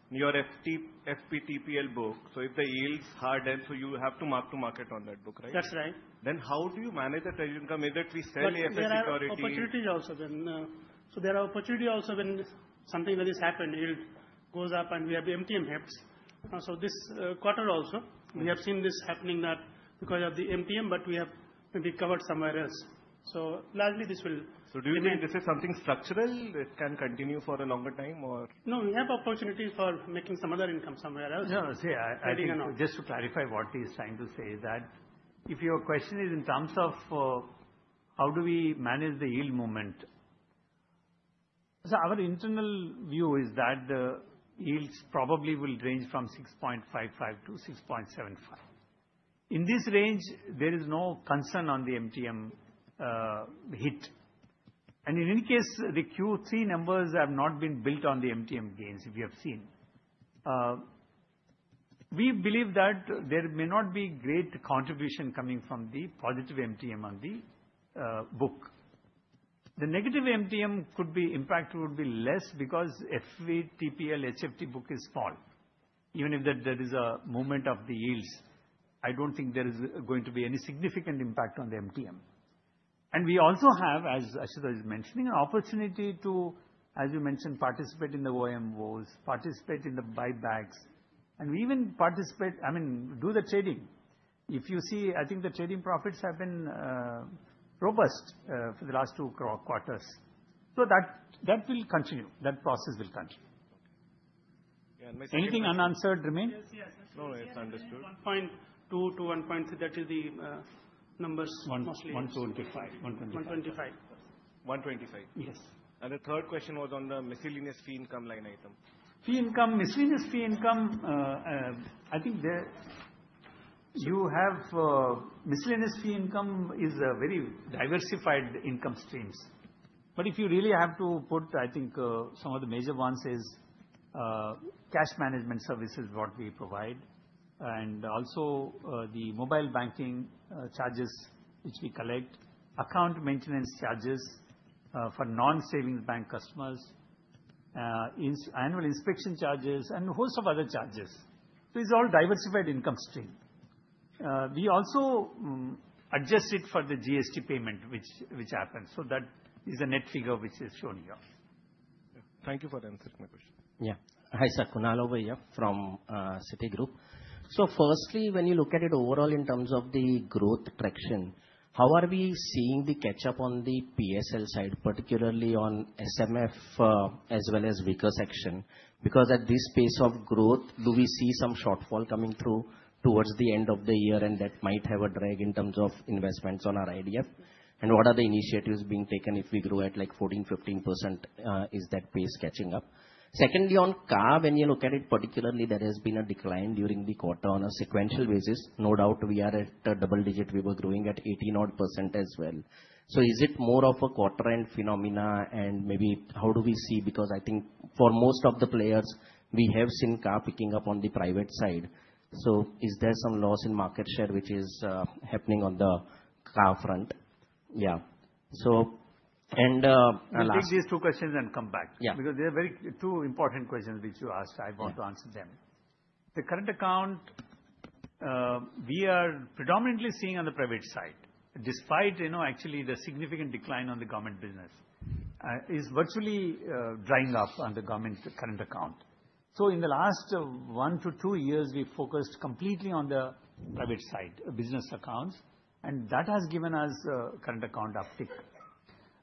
your HFT, FV TPL book. So if the yields harden, so you have to mark to market on that book, right? That's right. Then how do you manage the treasury income? Either we sell AFS security- But there are opportunities also then. So there are opportunity also when something very has happened, yield goes up and we have the MTM hits. So this quarter also- Mm. We have seen this happening not because of the MTM, but we have to be covered somewhere else. So largely this will- So do you mean this is something structural that can continue for a longer time, or? No, we have opportunity for making some other income somewhere else. No, see, I think- Getting enough. Just to clarify what he's trying to say is that, if your question is in terms of, how do we manage the yield moment? So our internal view is that the yields probably will range from 6.55 to 6.75. In this range, there is no concern on the MTM, hit. And in any case, the Q3 numbers have not been built on the MTM gains, we have seen. We believe that there may not be great contribution coming from the positive MTM on the, book. The negative MTM could be impact would be less because FV TPL HFT book is small. Even if that there is a movement of the yields, I don't think there is going to be any significant impact on the MTM. We also have, as Ashok was mentioning, an opportunity to, as you mentioned, participate in the OMOs, participate in the buybacks, and we even participate. I mean, do the trading. If you see, I think the trading profits have been robust for the last two quarters. So that will continue. That process will continue. Okay. Anything unanswered remain? Yes, yes. No, it's understood. 1.2-1.3, that is the numbers mostly. 125. 125. 125? Yes. The third question was on the miscellaneous fee income line item. Fee income, miscellaneous fee income, I think there you have, miscellaneous fee income is a very diversified income streams. But if you really have to put, I think, some of the major ones is, cash management services, what we provide, and also, the mobile banking, charges which we collect, account maintenance charges, for non-savings bank customers. Annual inspection charges and a host of other charges. These are all diversified income stream. We also adjust it for the GST payment which, which happens, so that is the net figure which is shown here. Thank you for answering my question. Yeah. Hi, sir, Kunal Shah over here from Citigroup. So firstly, when you look at it overall in terms of the growth traction, how are we seeing the catch-up on the PSL side, particularly on SMF, as well as weaker section? Because at this pace of growth, do we see some shortfall coming through towards the end of the year and that might have a drag in terms of investments on our IDF? And what are the initiatives being taken if we grow at, like, 14, 15%, is that pace catching up? Secondly, on CA, when you look at it particularly, there has been a decline during the quarter on a sequential basis. No doubt, we are at a double-digit, we were growing at eighty-odd% as well. So is it more of a quarter-end phenomena? And maybe how do we see? Because I think for most of the players, we have seen car picking up on the private side. So is there some loss in market share which is happening on the car front? Yeah. So, and last- I'll take these two questions and come back. Yeah. Because they are very two important questions which you asked. Yeah. I want to answer them. The current account, we are predominantly seeing on the private side, despite, you know, actually the significant decline on the government business, is virtually drying up on the government current account. So in the last one to two years, we focused completely on the private side, business accounts, and that has given us current account uptick.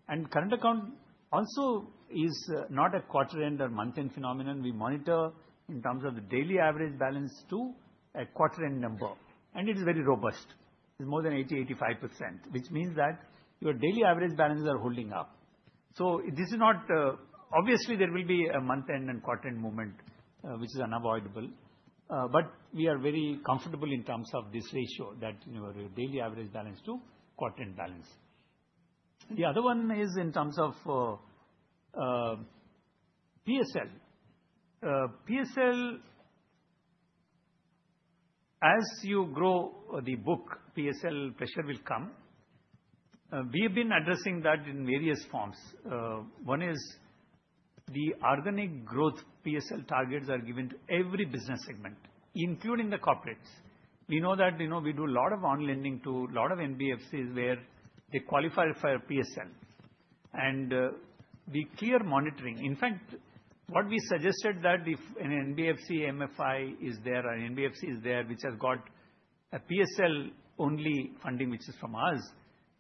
And current account also is not a quarter-end or month-end phenomenon. We monitor in terms of the daily average balance to a quarter-end number, and it is very robust. It's more than 80%-85%, which means that your daily average balances are holding up. So this is not... Obviously, there will be a month-end and quarter-end movement, which is unavoidable, but we are very comfortable in terms of this ratio, that your daily average balance to quarter-end balance. The other one is in terms of PSL. PSL, as you grow the book, PSL pressure will come. We have been addressing that in various forms. One is the organic growth PSL targets are given to every business segment, including the corporates. We know that, you know, we do a lot of on-lending to a lot of NBFCs, where they qualify for PSL, and we clear monitoring. In fact, what we suggested that if an NBFC, MFI is there or NBFC is there, which has got a PSL only funding, which is from us,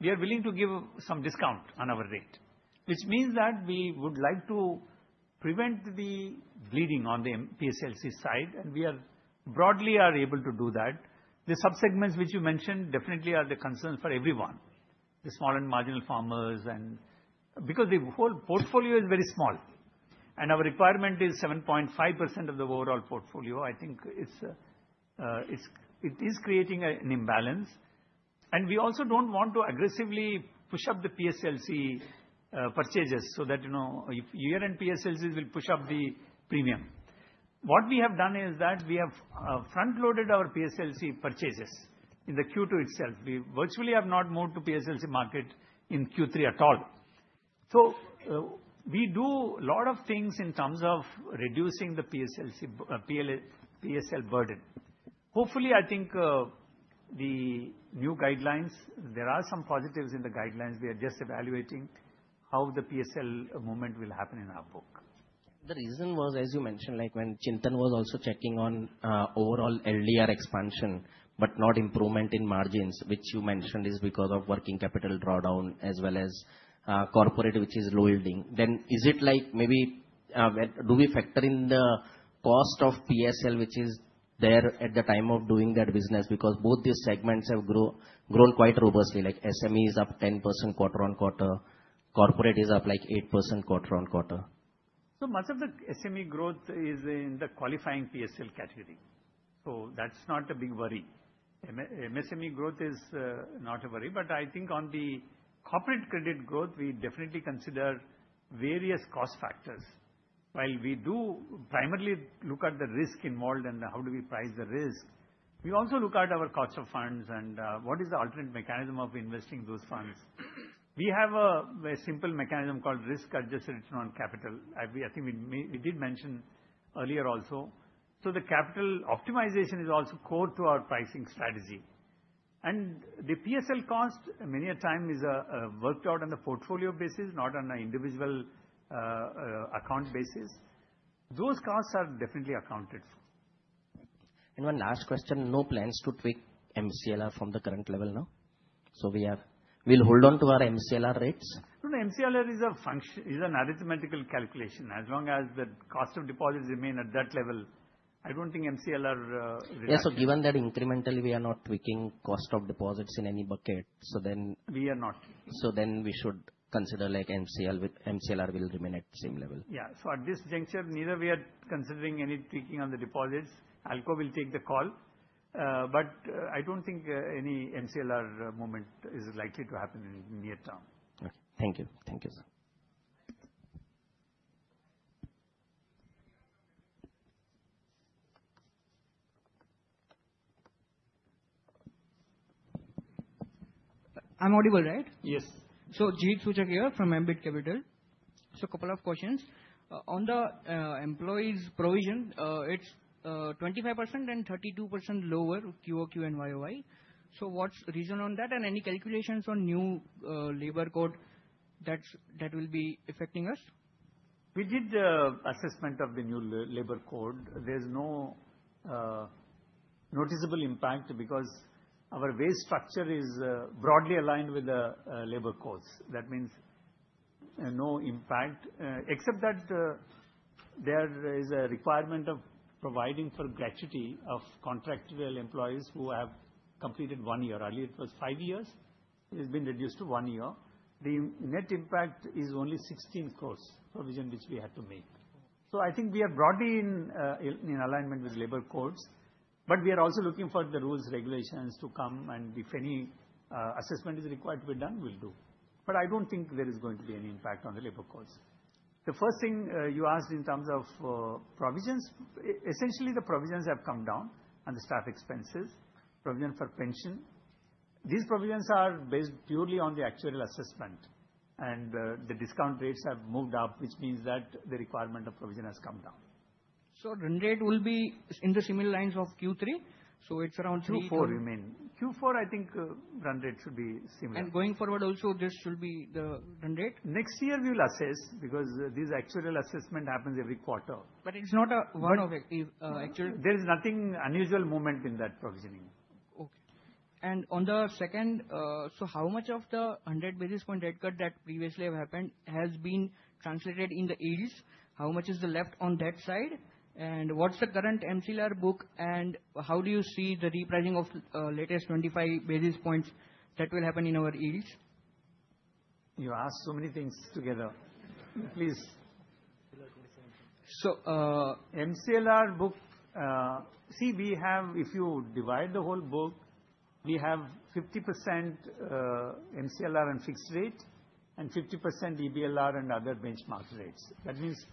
we are willing to give some discount on our rate. Which means that we would like to prevent the bleeding on the PSLC side, and we are broadly are able to do that. The subsegments which you mentioned, definitely are the concerns for everyone, the small and marginal farmers and... Because the whole portfolio is very small, and our requirement is 7.5% of the overall portfolio. I think it's, it's, it is creating an, an imbalance. And we also don't want to aggressively push up the PSLC purchases, so that, you know, if year-end PSLCs will push up the premium. What we have done is that we have front-loaded our PSLC purchases in the Q2 itself. We virtually have not moved to PSLC market in Q3 at all. So we do a lot of things in terms of reducing the PSLC, PL, PSL burden. Hopefully, I think, the new guidelines, there are some positives in the guidelines. We are just evaluating how the PSL movement will happen in our book. The reason was, as you mentioned, like, when Chintan was also checking on overall LDR expansion, but not improvement in margins, which you mentioned is because of working capital drawdown as well as corporate, which is low yielding. Then, is it like maybe, well, do we factor in the cost of PSL, which is there at the time of doing that business? Because both these segments have grown quite robustly, like, SME is up 10% quarter-on-quarter, corporate is up, like, 8% quarter-on-quarter. So much of the SME growth is in the qualifying PSL category, so that's not a big worry. MSME growth is not a worry, but I think on the corporate credit growth, we definitely consider various cost factors. While we do primarily look at the risk involved and how do we price the risk, we also look at our cost of funds and what is the alternate mechanism of investing those funds. We have a simple mechanism called risk-adjusted non-capital. I think we did mention earlier also. So the capital optimization is also core to our pricing strategy. And the PSL cost, many a time, is worked out on a portfolio basis, not on an individual account basis. Those costs are definitely accounted for. One last question. No plans to tweak MCLR from the current level, no? So we'll hold on to our MCLR rates? No, MCLR is an arithmetical calculation. As long as the cost of deposits remain at that level, I don't think MCLR related- Yeah, so given that incrementally we are not tweaking cost of deposits in any bucket, so then- We are not. So then we should consider, like, MCLR will remain at the same level. Yeah. So at this juncture, neither we are considering any tweaking on the deposits. Alco will take the call, but, I don't think any MCLR movement is likely to happen in near term. Okay. Thank you. Thank you, sir. ... I'm audible, right? Yes. So Sujeet here from Ambit Capital. So a couple of questions. On the employees' provision, it's 25% and 32% lower QOQ and YOY. So what's the reason on that, and any calculations on new labor code that will be affecting us? We did the assessment of the new labor code. There's no noticeable impact because our wage structure is broadly aligned with the labor codes. That means no impact, except that there is a requirement of providing for gratuity of contractual employees who have completed one year. Earlier, it was five years. It's been reduced to one year. The net impact is only 16 crore provision which we had to make. So I think we are broadly in alignment with labor codes, but we are also looking for the rules, regulations to come, and if any assessment is required to be done, we'll do. But I don't think there is going to be any impact on the labor codes. The first thing you asked in terms of provisions. Essentially, the provisions have come down on the staff expenses, provision for pension. These provisions are based purely on the actual assessment, and the discount rates have moved up, which means that the requirement of provision has come down. Run rate will be in the similar lines of Q3, so it's around three- Q4 remain. Q4, I think, run rate should be similar. Going forward also, this should be the run rate? Next year we will assess, because this actual assessment happens every quarter. But it's not a one-off active, actual? There is nothing unusual movement in that provisioning. Okay. On the second, so how much of the 100 basis point rate cut that previously happened has been translated into yields? How much is left on that side? And what's the current MCLR book, and how do you see the repricing of the latest 25 basis points that will happen in our yields? You asked so many things together. Please. So, MCLR book, see, we have, if you divide the whole book, we have 50% MCLR and fixed rate, and 50% EBLR and other benchmark rates.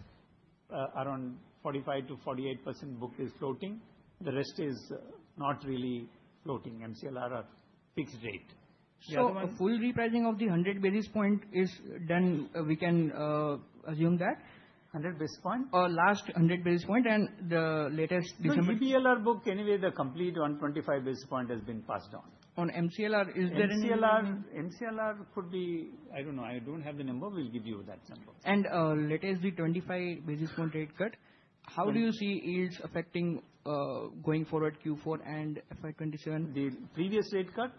That means, around 45%-48% book is floating. The rest is not really floating, MCLR are fixed rate. The other one? So full repricing of the 100 basis points is done, we can assume that? 100 basis point? Last 100 basis points and the latest decision. No, EBLR book, anyway, the complete on 25 basis points has been passed on. On MCLR, is there any- MCLR, MCLR could be... I don't know. I don't have the number. We'll give you that sample. Latest, the 25 basis points rate cut, how do you see yields affecting going forward Q4 and FY 2027? The previous rate cut?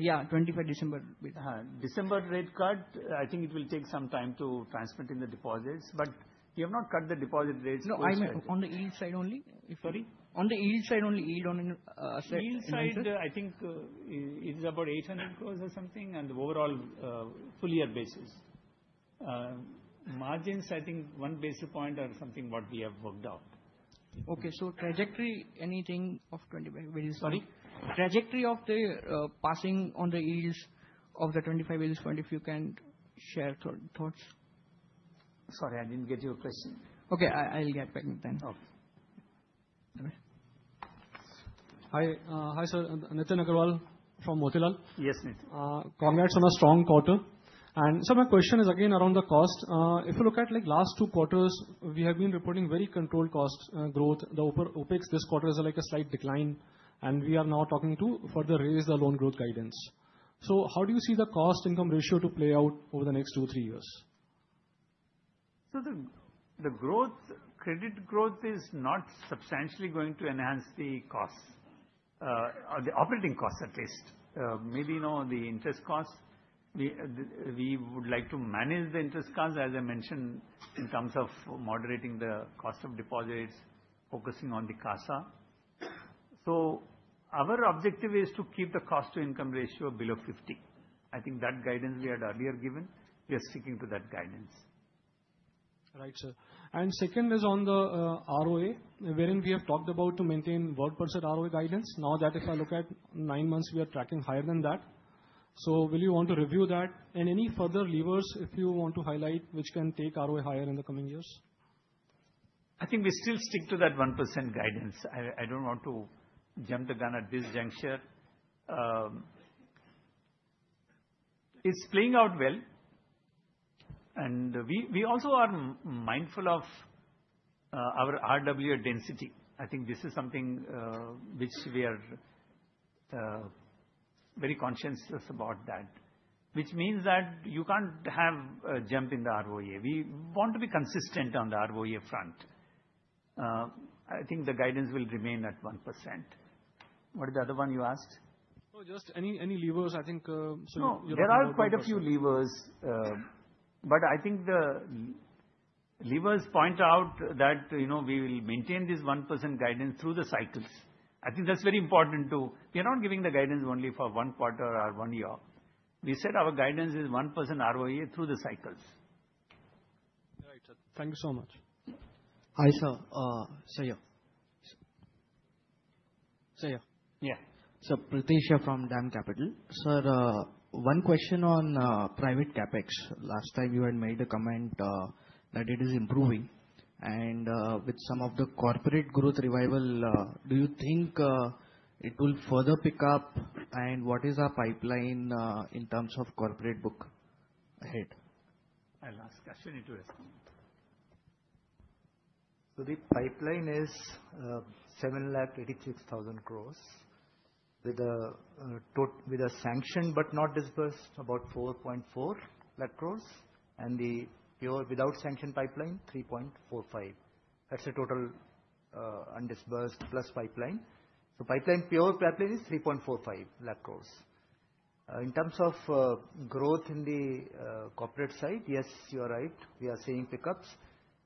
Yeah, December 25. December rate cut, I think it will take some time to transmit in the deposits, but we have not cut the deposit rates. No, I meant on the yield side only. Sorry? On the yield side only, yield on asset- Yield side, I think it is about 800 crore or something, and overall, full year basis. Margins, I think one basis point or something what we have worked out. Okay. So trajectory, anything of 25 basis point? Sorry? Trajectory of the passing on the yields of the 25 basis point, if you can share thoughts. Sorry, I didn't get your question. Okay, I'll get back then. Okay. All right. Hi, hi, sir. Nitin Aggarwal from Motilal. Yes, Nitin. Congrats on a strong quarter. And sir, my question is again around the cost. If you look at, like, last two quarters, we have been reporting very controlled costs, growth. The OPEX this quarter is, like, a slight decline, and we are now talking to further raise the loan growth guidance. So how do you see the cost income ratio to play out over the next two, three years? So the growth, credit growth is not substantially going to enhance the costs, the operating costs at least. Maybe, you know, the interest costs, we, we would like to manage the interest costs, as I mentioned, in terms of moderating the cost of deposits, focusing on the CASA. So our objective is to keep the cost to income ratio below 50. I think that guidance we had earlier given, we are sticking to that guidance. Right, sir. And second is on the ROA, wherein we have talked about to maintain 1% ROA guidance. Now, that if I look at nine months, we are tracking higher than that. So will you want to review that? And any further levers, if you want to highlight, which can take ROA higher in the coming years? I think we still stick to that 1% guidance. I don't want to jump the gun at this juncture. It's playing out well, and we also are mindful of our RWA density. I think this is something which we are very conscientious about that, which means that you can't have a jump in the ROA. We want to be consistent on the ROA front. I think the guidance will remain at 1%. What is the other one you asked? Just any, any levers, I think... No, there are quite a few levers, but I think the levers point out that, you know, we will maintain this 1% guidance through the cycles. I think that's very important, too. We are not giving the guidance only for one quarter or one year. We said our guidance is 1% ROA through the cycles. Right, sir. Thank you so much. Hi, sir. Sir, Sir. Yeah. Sir, Prateek from DAM Capital. Sir, one question on private CapEx. Last time you had made a comment that it is improving. and, with some of the corporate growth revival, do you think it will further pick up? And what is our pipeline in terms of corporate book ahead? I'll ask Ashwini into this. So the pipeline is 786,000 crore, with a sanction but not disbursed, about 440,000 crore, and the pure without sanction pipeline, 345,000 crore. That's a total undisbursed plus pipeline. So pipeline, pure pipeline is 345,000 crore. In terms of growth in the corporate side, yes, you are right, we are seeing pick ups.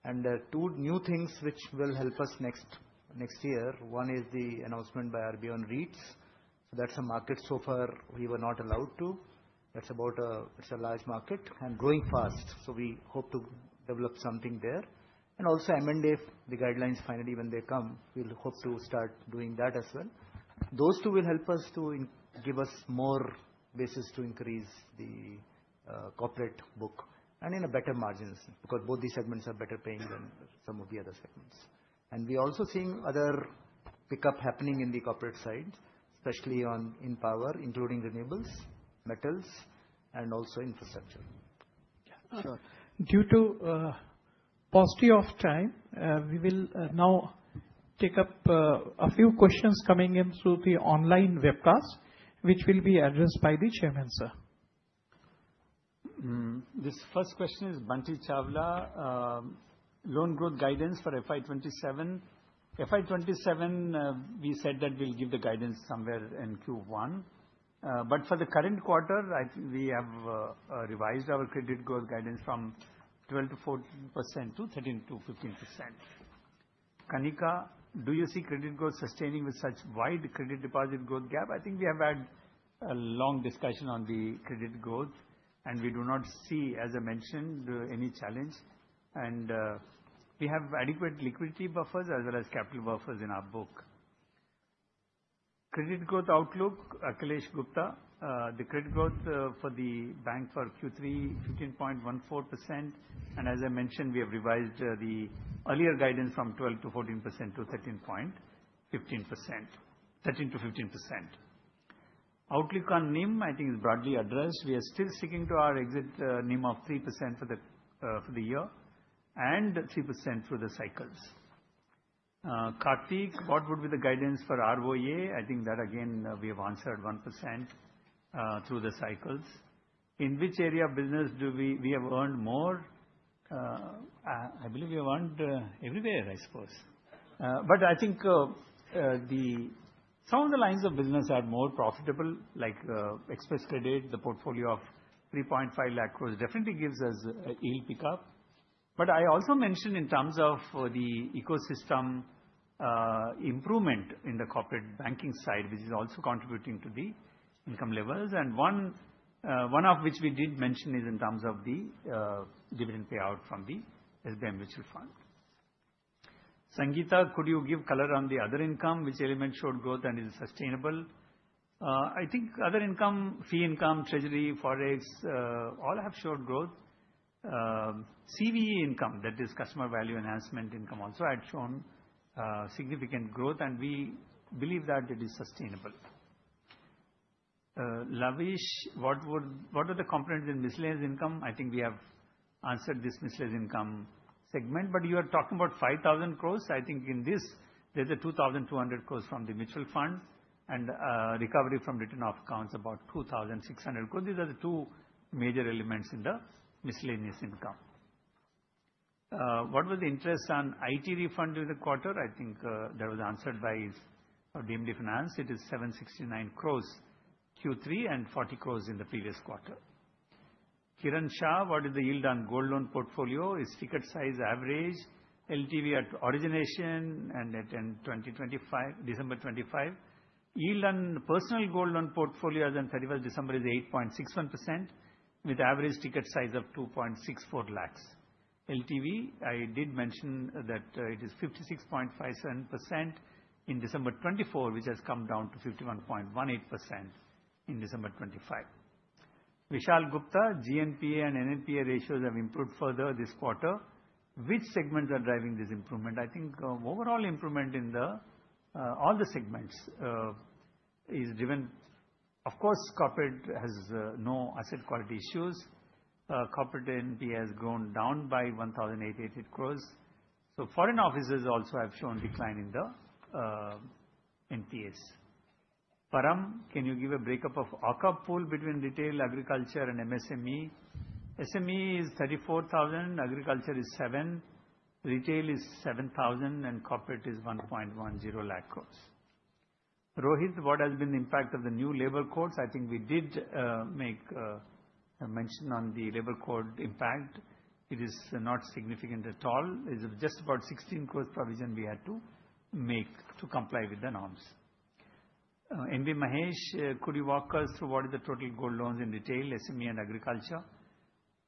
And two new things which will help us next year. One is the announcement by RBI on REITs. So that's a market so far we were not allowed to. That's about, it's a large market and growing fast, so we hope to develop something there. And also InvITs, if the guidelines finally when they come, we'll hope to start doing that as well. Those two will help us to give us more basis to increase the corporate book and in better margins, because both these segments are better paying than some of the other segments. And we also seeing other pickup happening in the corporate side, especially on power, including renewables, metals, and also infrastructure. Yeah, sure. Due to paucity of time, we will now take up a few questions coming in through the online webcast, which will be addressed by the chairman, sir. This first question is Bunty Chawla. Loan growth guidance for FY 2027. FY 2027, we said that we'll give the guidance somewhere in Q1. But for the current quarter, I think we have revised our credit growth guidance from 12%-14% to 13%-15%. Kanika: Do you see credit growth sustaining with such wide credit deposit growth gap? I think we have had a long discussion on the credit growth, and we do not see, as I mentioned, any challenge. We have adequate liquidity buffers as well as capital buffers in our book. Credit growth outlook, Akhilesh Gupta. The credit growth for the bank for Q3, 15.14%, and as I mentioned, we have revised the earlier guidance from 12%-14% to 13%-15%. Outlook on NIM, I think is broadly addressed. We are still sticking to our exit NIM of 3% for the year and 3% through the cycles. Kartik, what would be the guidance for ROA? I think that again, we have answered 1% through the cycles. In which area of business do we—we have earned more? I believe we have earned everywhere, I suppose. But I think the some of the lines of business are more profitable, like Xpress Credit. The portfolio of 3.5 lakh was definitely gives us a yield pickup. But I also mentioned in terms of the ecosystem improvement in the corporate banking side, which is also contributing to the income levels. One of which we did mention is in terms of the dividend payout from the mutual fund. Sangeeta: Could you give color on the other income, which element showed growth and is sustainable? I think other income, fee income, treasury, forex, all have showed growth. CVE income, that is customer value enhancement income, also had shown significant growth, and we believe that it is sustainable. Lavish, what are the components in miscellaneous income? I think we have answered this miscellaneous income segment, but you are talking about 5,000 crore. I think in this, there's 2,200 crore from the mutual funds and recovery from written off accounts, about 2,600 crore. These are the two major elements in the miscellaneous income. What was the interest on IT refund in the quarter? I think, that was answered by our DMD finance. It is 769 crore Q3 and 40 crore in the previous quarter. Kiran Shah: What is the yield on gold loan portfolio? Is ticket size average, LTV at origination, and at end 2025, December 2025. Yield on personal gold loan portfolio as on 31 December is 8.61%, with average ticket size of 2.64 lakh. LTV, I did mention that, it is 56.57% in December 2024, which has come down to 51.18% in December 2025. Vishal Gupta: GNPA and NNPA ratios have improved further this quarter. Which segments are driving this improvement? I think, overall improvement in the, all the segments, is driven. Of course, corporate has, no asset quality issues. Corporate NPA has gone down by 1,800 crore. So foreign offices also have shown decline in the NPAs. Param, can you give a breakup of accrual pool between retail, agriculture and MSME? SME is 34,000 crore, agriculture is 7 crore, retail is 7,000 crore, and corporate is 110,000 crore. Rohit: What has been the impact of the new labor codes? I think we did make a mention on the labor code impact. It is not significant at all. It's just about 16 crore provision we had to make to comply with the norms. M.B. Mahesh: Could you walk us through what is the total gold loans in retail, SME and agriculture?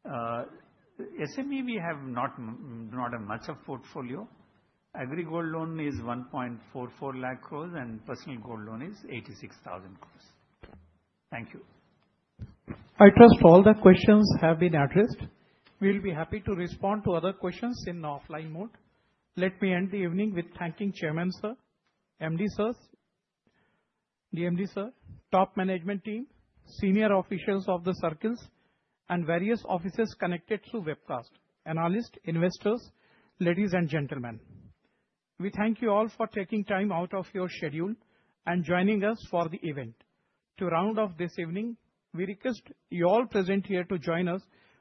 SME, we have not much of a portfolio. Agri gold loan is 144,000 crore, and personal gold loan is 86,000 crore. Thank you. I trust all the questions have been addressed. We'll be happy to respond to other questions in offline mode. Let me end the evening with thanking Chairman, Sir, MD sirs, DMD sir, top management team, senior officials of the circles and various offices connected through webcast, analyst, investors, ladies and gentlemen. We thank you all for taking time out of your schedule and joining us for the event. To round off this evening, we request you all present here to join us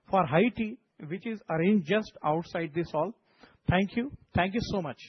for high tea, which is arranged just outside this hall. Thank you. Thank you so much.